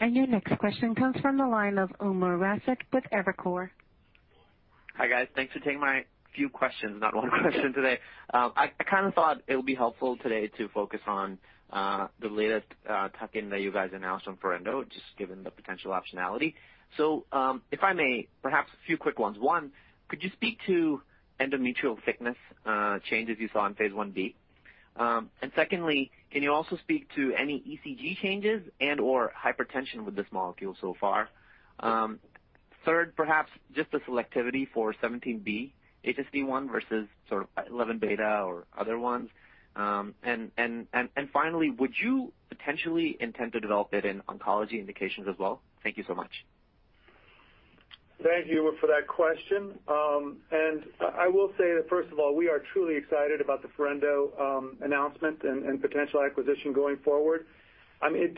Your next question comes from the line of Umer Raffat with Evercore. Hi, guys. Thanks for taking my few questions, not one question today. I kinda thought it would be helpful today to focus on the latest tuck-in that you guys announced on Forendo, just given the potential optionality. If I may, perhaps a few quick ones. One, could you speak to endometrial thickness changes you saw in phase Ib? And secondly, can you also speak to any ECG changes and or hypertension with this molecule so far? Third, perhaps just the selectivity for 17β-HSD1 versus sort of 11 beta or other ones. And finally, would you potentially intend to develop it in oncology indications as well? Thank you so much. Thank you for that question. I will say that, first of all, we are truly excited about the Forendo announcement and potential acquisition going forward. I mean,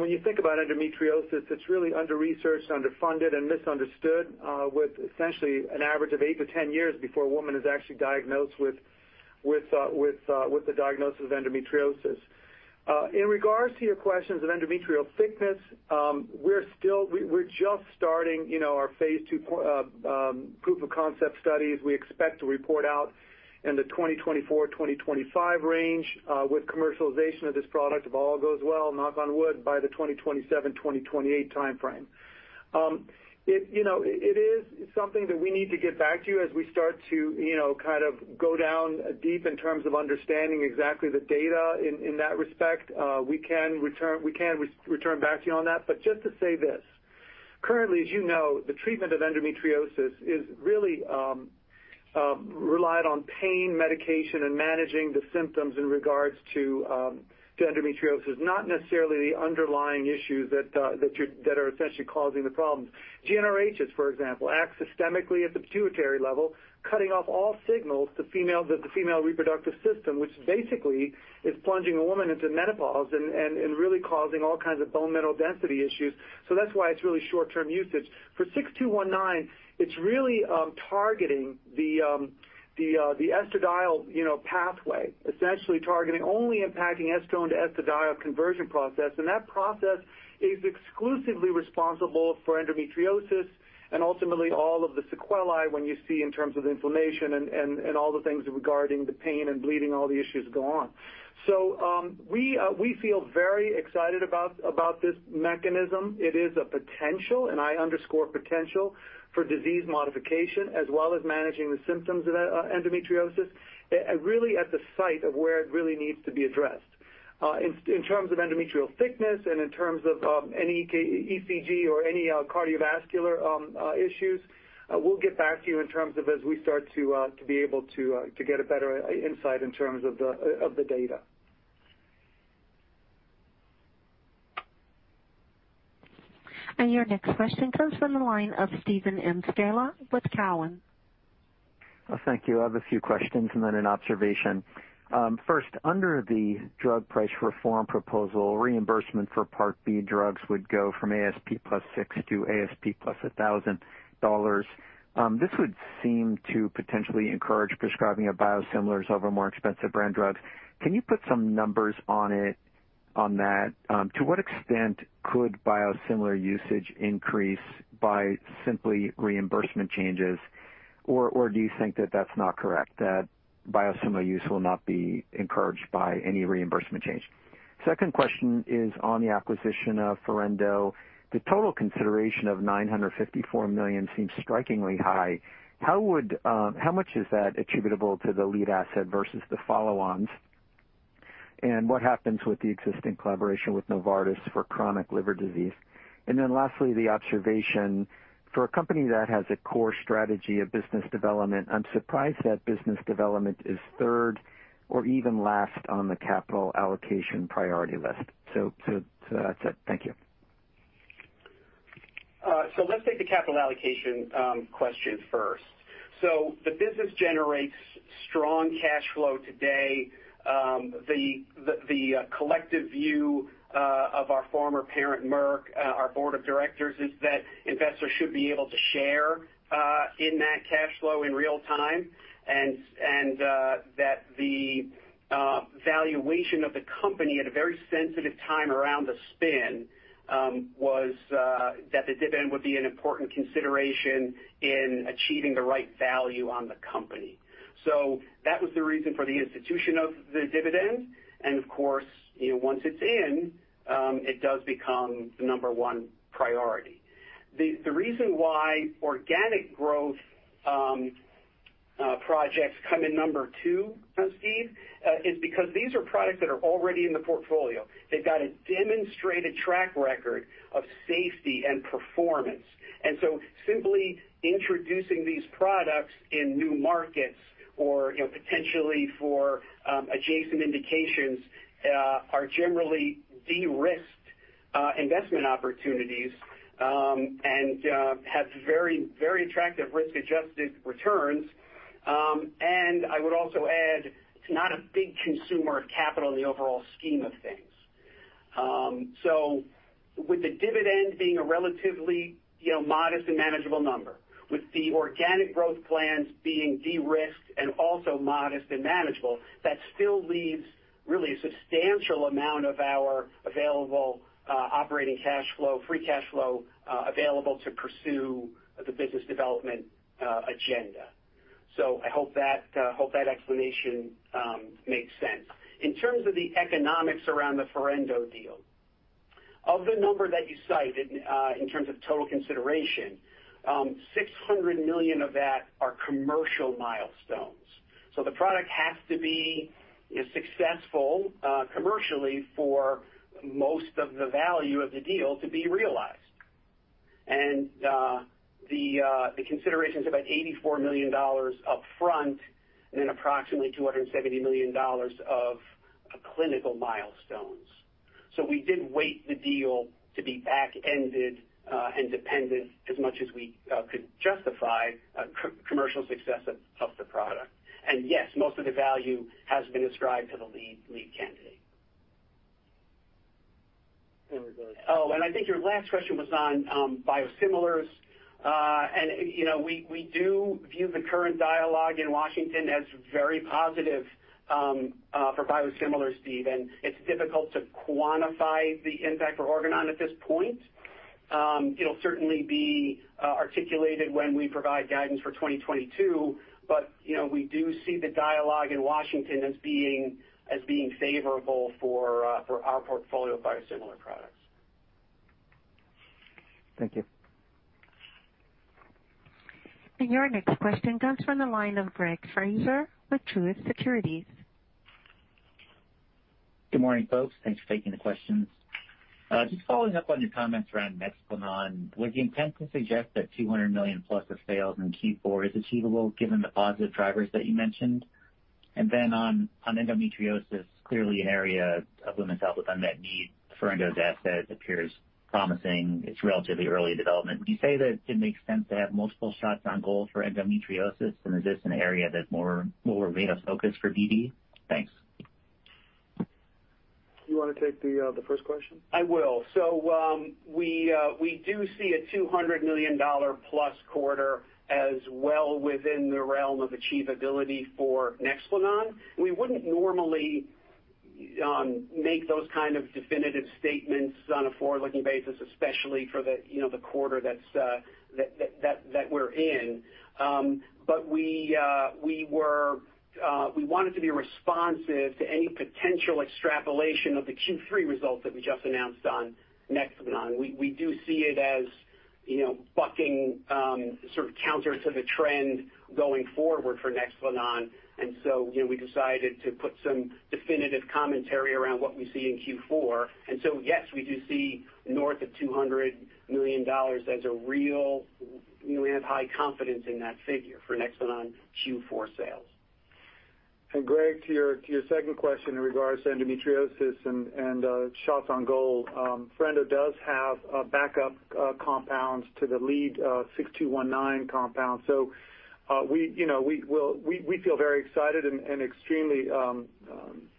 when you think about endometriosis, it's really under-researched, underfunded, and misunderstood with essentially an average of 8 years to 10 years before a woman is actually diagnosed with the diagnosis of endometriosis. In regards to your questions of endometrial thickness, we're just starting, you know, our phase II proof of concept studies. We expect to report out in the 2024-2025 range with commercialization of this product if all goes well, knock on wood, by the 2027-2028 timeframe. You know, it is something that we need to get back to you as we start to, you know, kind of go down deep in terms of understanding exactly the data in that respect. We can return back to you on that. But just to say this, currently, as you know, the treatment of endometriosis is really relied on pain medication and managing the symptoms in regards to endometriosis, not necessarily the underlying issues that are essentially causing the problems. GnRHs, for example, act systemically at the pituitary level, cutting off all signals to the female reproductive system, which basically is plunging a woman into menopause and really causing all kinds of bone mineral density issues. That's why it's really short-term usage. FOR-6219, it's really targeting the estradiol, you know, pathway, essentially targeting only impacting estrone to estradiol conversion process. That process is exclusively responsible for endometriosis and ultimately all of the sequelae when you see in terms of inflammation and all the things regarding the pain and bleeding, all the issues go on. We feel very excited about this mechanism. It is a potential, and I underscore potential for disease modification as well as managing the symptoms of endometriosis, really at the site of where it really needs to be addressed. In terms of endometrial thickness and in terms of any ECG or any cardiovascular issues, we'll get back to you in terms of as we start to be able to get a better insight in terms of the data. Your next question comes from the line of Steven M. Scala with Cowen. Thank you. I have a few questions and then an observation. First, under the drug price reform proposal, reimbursement for part B drugs would go from ASP+6% to ASP+ $1,000. This would seem to potentially encourage prescribing of biosimilars over more expensive brand drugs. Can you put some numbers on it, on that? To what extent could biosimilar usage increase by simply reimbursement changes? Or do you think that that's not correct, that biosimilar use will not be encouraged by any reimbursement change? Second question is on the acquisition of Forendo. The total consideration of $954 million seems strikingly high. How much is that attributable to the lead asset versus the follow-ons? And what happens with the existing collaboration with Novartis for chronic liver disease? And then lastly, the observation. For a company that has a core strategy of business development, I'm surprised that business development is third or even last on the capital allocation priority list. That's it. Thank you. Let's take the capital allocation question first. The business generates strong cash flow today. The collective view of our former parent, Merck, our board of directors, is that investors should be able to share in that cash flow in real time, and that the valuation of the company at a very sensitive time around the spin was that the dividend would be an important consideration in achieving the right value on the company. That was the reason for the institution of the dividend. Of course, you know, once it's in, it does become the number one priority. The reason why organic growth projects come in number two, Steve, is because these are products that are already in the portfolio. They've got a demonstrated track record of safety and performance. Simply introducing these products in new markets or, you know, potentially for adjacent indications are generally de-risked investment opportunities and have very, very attractive risk-adjusted returns. I would also add it's not a big consumer of capital in the overall scheme of things. With the dividend being a relatively, you know, modest and manageable number, with the organic growth plans being de-risked and also modest and manageable, that still leaves really a substantial amount of our available operating cash flow, free cash flow available to pursue the business development agenda. I hope that explanation makes sense. In terms of the economics around the Forendo deal. Of the number that you cited, in terms of total consideration, $600 million of that are commercial milestones. The product has to be successful commercially for most of the value of the deal to be realized. The consideration's about $84 million up front and approximately $270 million of clinical milestones. We did weight the deal to be back-ended and dependent as much as we could justify commercial success of the product. Yes, most of the value has been ascribed to the lead candidate. Regards to- I think your last question was on biosimilars. You know, we do view the current dialogue in Washington as very positive for biosimilars, Steve, and it's difficult to quantify the impact for Organon at this point. It'll certainly be articulated when we provide guidance for 2022. You know, we do see the dialogue in Washington as being favorable for our portfolio of biosimilar products. Thank you. Your next question comes from the line of Greg Fraser with Truist Securities. Good morning, folks. Thanks for taking the questions. Just following up on your comments around Nexplanon, would you intend to suggest that $200+ million of sales in Q4 is achievable given the positive drivers that you mentioned? On endometriosis, clearly an area of women's health with unmet need for endo assets appears promising. It's relatively early development. Would you say that it makes sense to have multiple shots on goal for endometriosis? Is this an area that more of focus for BD? Thanks. Do you wanna take the first question? I will. We do see a $200+ million quarter as well within the realm of achievability for Nexplanon. We wouldn't normally make those kind of definitive statements on a forward-looking basis, especially for the you know, the quarter that's that we're in. We wanted to be responsive to any potential extrapolation of the Q3 results that we just announced on Nexplanon. We do see it as you know, bucking sort of counter to the trend going forward for Nexplanon. You know, we decided to put some definitive commentary around what we see in Q4. We do see north of $200 million as a real you know, we have high confidence in that figure for Nexplanon Q4 sales. Greg, to your second question in regards to endometriosis and shots on goal, Forendo does have backup compounds to the lead FOR-6219 compound. So we you know feel very excited and extremely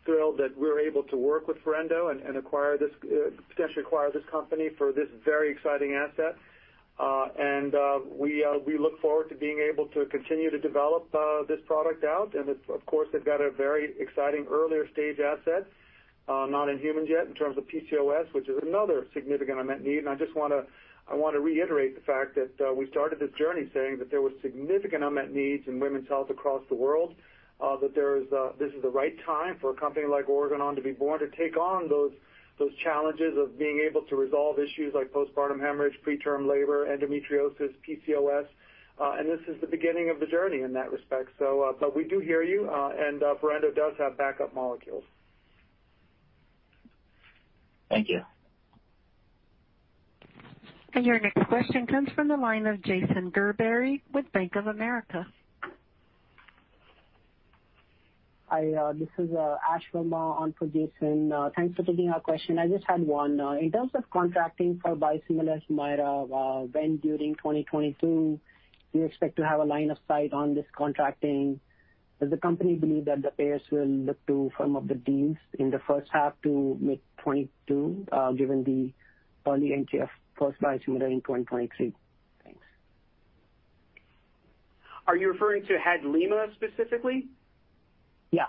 thrilled that we're able to work with Forendo and potentially acquire this company for this very exciting asset. We look forward to being able to continue to develop this product out. It's, of course, they've got a very exciting earlier stage asset not in humans yet in terms of PCOS, which is another significant unmet need. I just wanna reiterate the fact that we started this journey saying that there was significant unmet needs in women's health across the world, that there is this is the right time for a company like Organon to be born to take on those challenges of being able to resolve issues like postpartum hemorrhage, preterm labor, endometriosis, PCOS, and this is the beginning of the journey in that respect. But we do hear you, and Forendo does have backup molecules. Thank you. Your next question comes from the line of Jason Gerberry with Bank of America. This is Ash Verma on for Jason. Thanks for taking our question. I just had one. In terms of contracting for biosimilars Humira, when during 2022 do you expect to have a line of sight on this contracting? Does the company believe that the payers will look to firm up the deals in the first half to mid-2022, given the early entry for biosimilar in 2023? Thanks. Are you referring to Hadlima specifically? Yeah.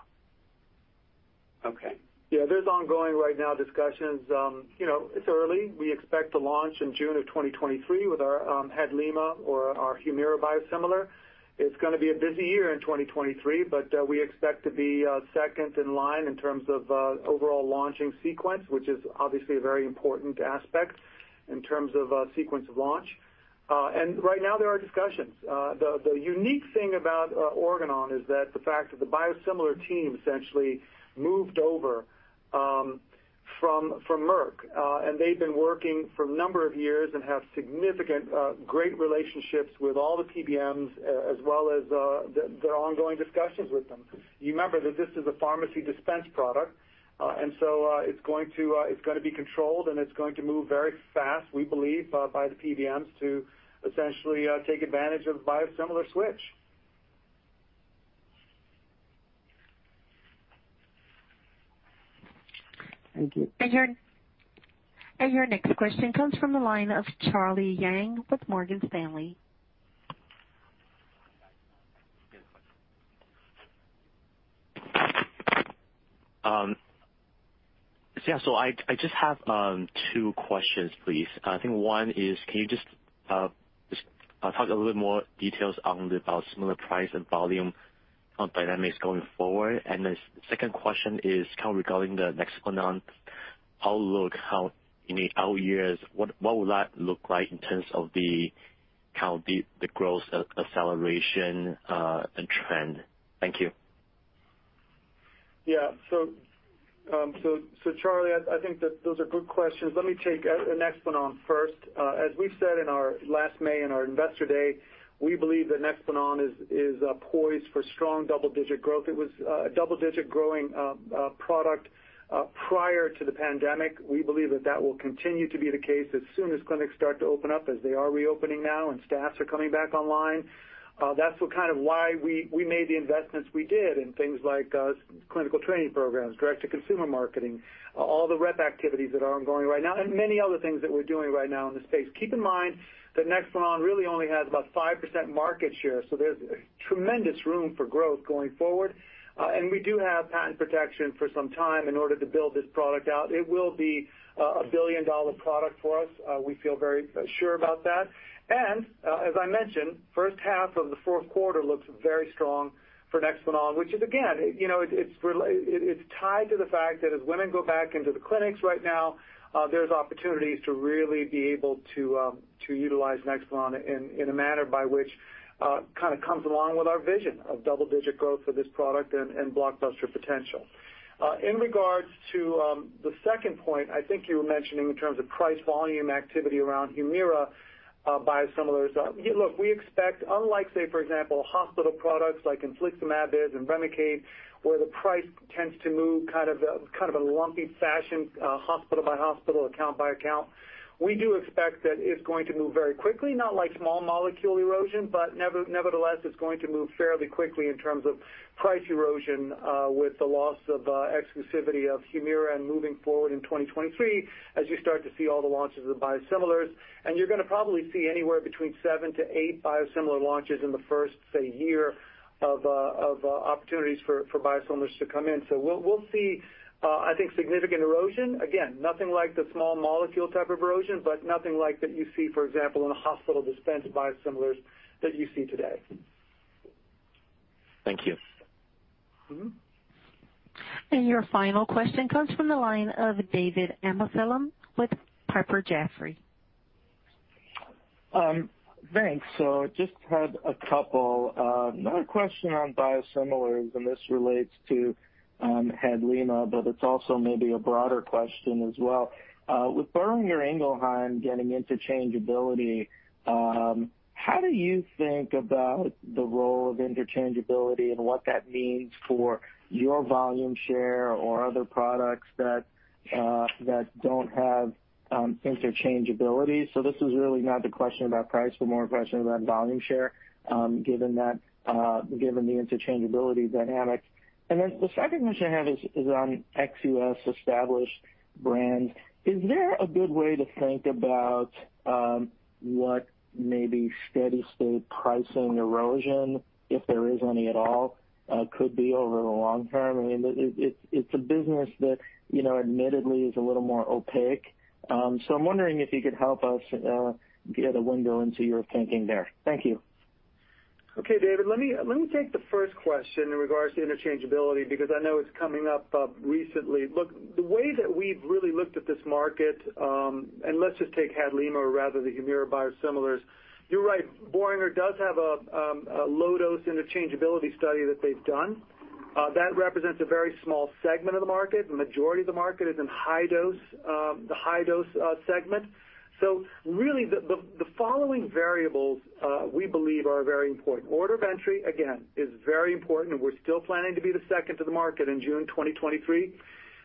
Okay. Yeah, there are ongoing discussions right now. You know, it's early. We expect to launch in June 2023 with our Hadlima or our Humira biosimilar. It's gonna be a busy year in 2023, but we expect to be second in line in terms of overall launching sequence, which is obviously a very important aspect in terms of sequence of launch. Right now there are discussions. The unique thing about Organon is that the fact that the biosimilar team essentially moved over from Merck and they've been working for a number of years and have significant great relationships with all the PBMs as well as their ongoing discussions with them. You remember that this is a pharmacy dispense product, and so it's gonna be controlled, and it's going to move very fast, we believe, by the PBMs to essentially take advantage of biosimilar switch. Thank you. Your next question comes from the line of Charlie Yang with Morgan Stanley. I just have two questions, please. I think one is, can you just talk a little more details on the biosimilar price and volume on dynamics going forward. The second question is kind of regarding the Nexplanon outlook, how many user years, what will that look like in terms of the kind of the growth acceleration and trend? Thank you. Yeah. Charlie, I think that those are good questions. Let me take Nexplanon first. As we've said in our last May investor day, we believe that Nexplanon is poised for strong double-digit growth. It was a double-digit growing product prior to the pandemic. We believe that will continue to be the case as soon as clinics start to open up as they are reopening now and staffs are coming back online. That's kind of why we made the investments we did in things like clinical training programs, direct-to-consumer marketing, all the rep activities that are ongoing right now, and many other things that we're doing right now in the space. Keep in mind that Nexplanon really only has about 5% market share, so there's tremendous room for growth going forward. We do have patent protection for some time in order to build this product out. It will be a billion-dollar product for us. We feel very sure about that. As I mentioned, first half of the fourth quarter looks very strong for Nexplanon, which is again, you know, it's tied to the fact that as women go back into the clinics right now, there's opportunities to really be able to utilize Nexplanon in a manner by which kind of comes along with our vision of double-digit growth for this product and blockbuster potential. In regards to the second point, I think you were mentioning in terms of price volume activity around Humira biosimilars. Look, we expect unlike, say, for example, hospital products like infliximab and Remicade, where the price tends to move in a lumpy fashion, hospital by hospital, account by account. We do expect that it's going to move very quickly, not like small molecule erosion, but nevertheless, it's going to move fairly quickly in terms of price erosion, with the loss of exclusivity of Humira and moving forward in 2023 as you start to see all the launches of biosimilars. You're gonna probably see anywhere between 7 to 8 biosimilar launches in the first, say, year of opportunities for biosimilars to come in. We'll see, I think significant erosion. Again, nothing like the small molecule type of erosion, but nothing like that you see, for example, in a hospital-dispensed biosimilars that you see today. Thank you. Mm-hmm. Your final question comes from the line of David Amsellem with Piper Sandler. Thanks. I just had a couple. Another question on biosimilars, and this relates to Hadlima, but it's also maybe a broader question as well. With Boehringer Ingelheim getting interchangeability, how do you think about the role of interchangeability and what that means for your volume share or other products that don't have interchangeability? This is really not the question about price, but more a question about volume share, given the interchangeability dynamics. The second question I have is on ex-U.S. established brands. Is there a good way to think about what maybe steady-state pricing erosion, if there is any at all, could be over the long term? I mean, it's a business that, you know, admittedly is a little more opaque. I'm wondering if you could help us get a window into your thinking there. Thank you. Okay, David. Let me take the first question in regards to interchangeability, because I know it's coming up recently. Look, the way that we've really looked at this market, and let's just take Hadlima rather than the Humira biosimilars. You're right, Boehringer does have a low dose interchangeability study that they've done. That represents a very small segment of the market. The majority of the market is in high dose, the high dose segment. So really the following variables we believe are very important. Order of entry, again, is very important, and we're still planning to be the second to the market in June 2023.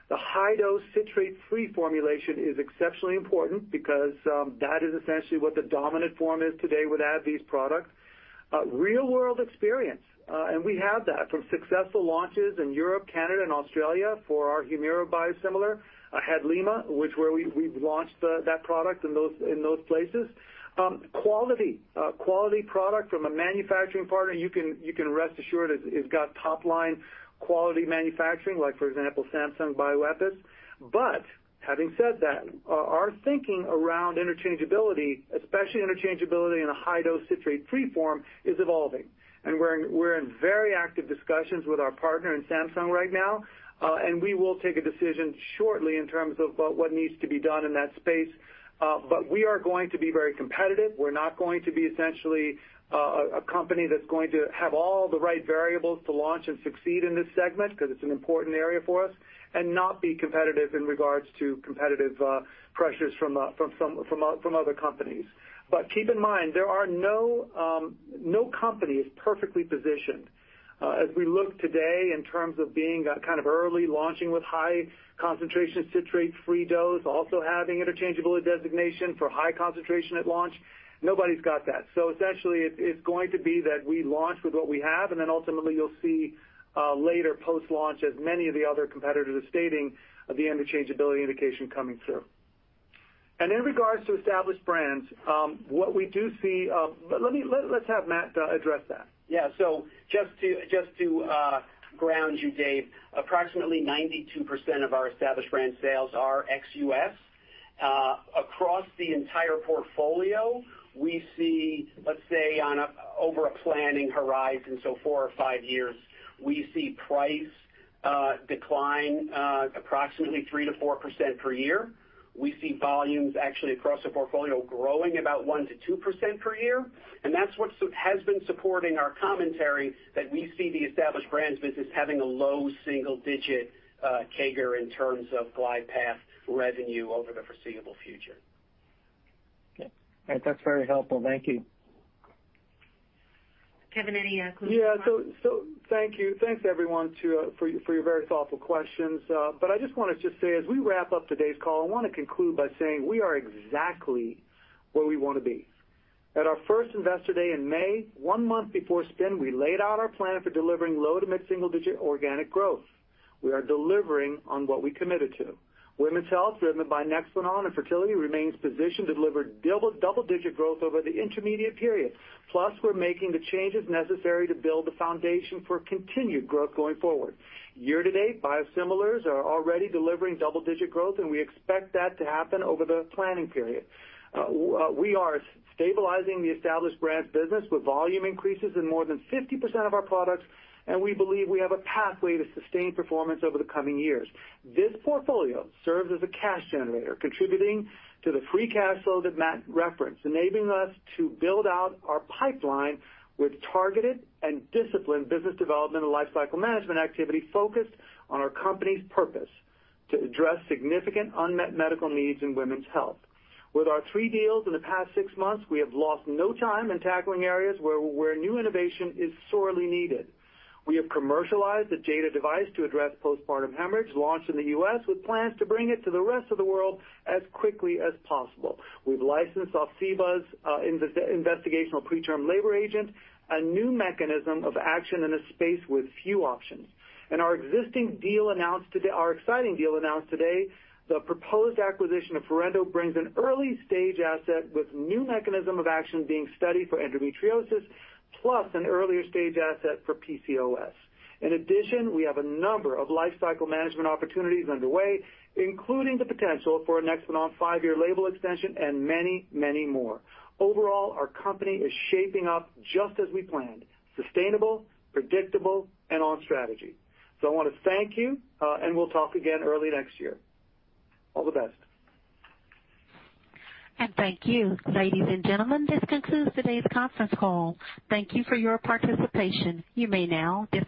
The high dose citrate free formulation is exceptionally important because that is essentially what the dominant form is today with AbbVie's product. Real-world experience, and we have that from successful launches in Europe, Canada, and Australia for our Humira biosimilar, Hadlima, where we've launched that product in those places. Quality. A quality product from a manufacturing partner, you can rest assured it's got top-line quality manufacturing, like for example, Samsung Bioepis. Having said that, our thinking around interchangeability, especially interchangeability in a high-dose citrate-free form, is evolving. We're in very active discussions with our partner in Samsung right now, and we will take a decision shortly in terms of what needs to be done in that space. We are going to be very competitive. We're not going to be essentially a company that's going to have all the right variables to launch and succeed in this segment 'cause it's an important area for us and not be competitive in regards to competitive pressures from other companies. Keep in mind, there is no company is perfectly positioned. As we look today in terms of being kind of early launching with high concentration citrate free dose, also having interchangeability designation for high concentration at launch, nobody's got that. Essentially, it's going to be that we launch with what we have, and then ultimately you'll see later post-launch as many of the other competitors are stating the interchangeability indication coming through. In regards to established brands, what we do see. Let's have Matt address that. Yeah. Just to ground you, Dave, approximately 92% of our established brand sales are ex-U.S.. Across the entire portfolio, we see, let's say over a planning horizon, so 4 years or 5 years, we see price decline approximately 3% to 4% per year. We see volumes actually across the portfolio growing about 1% to 2% per year, and that's what has been supporting our commentary that we see the established brands business having a low single-digit CAGR in terms of glide path revenue over the foreseeable future. Okay. That's very helpful. Thank you. Kevin, any closing comments? Thank you. Thanks everyone for your very thoughtful questions. I just wanna say, as we wrap up today's call, I wanna conclude by saying we are exactly where we wanna be. At our first Investor Day in May, one month before spin, we laid out our plan for delivering low- to mid-single-digit organic growth. We are delivering on what we committed to. Women's health, driven by Nexplanon and fertility, remains positioned to deliver double-digit growth over the intermediate period. Plus, we're making the changes necessary to build the foundation for continued growth going forward. Year-to-date, biosimilars are already delivering double-digit growth, and we expect that to happen over the planning period. We are stabilizing the established brand business with volume increases in more than 50% of our products, and we believe we have a pathway to sustain performance over the coming years. This portfolio serves as a cash generator, contributing to the free cash flow that Matt referenced, enabling us to build out our pipeline with targeted and disciplined business development and lifecycle management activity focused on our company's purpose to address significant unmet medical needs in women's health. With our three deals in the past six months, we have lost no time in tackling areas where new innovation is sorely needed. We have commercialized the Jada Device to address postpartum hemorrhage, launched in the U.S. with plans to bring it to the rest of the world as quickly as possible. We've licensed from ObsEva, investigational preterm labor agent, a new mechanism of action in a space with few options. Our exciting deal announced today, the proposed acquisition of Forendo brings an early-stage asset with new mechanism of action being studied for endometriosis, plus an earlier stage asset for PCOS. In addition, we have a number of lifecycle management opportunities underway, including the potential for a Nexplanon five-year label extension and many, many more. Overall, our company is shaping up just as we planned, sustainable, predictable, and on strategy. I wanna thank you, and we'll talk again early next year. All the best. Thank you. Ladies and gentlemen, this concludes today's conference call. Thank you for your participation. You may now disconnect.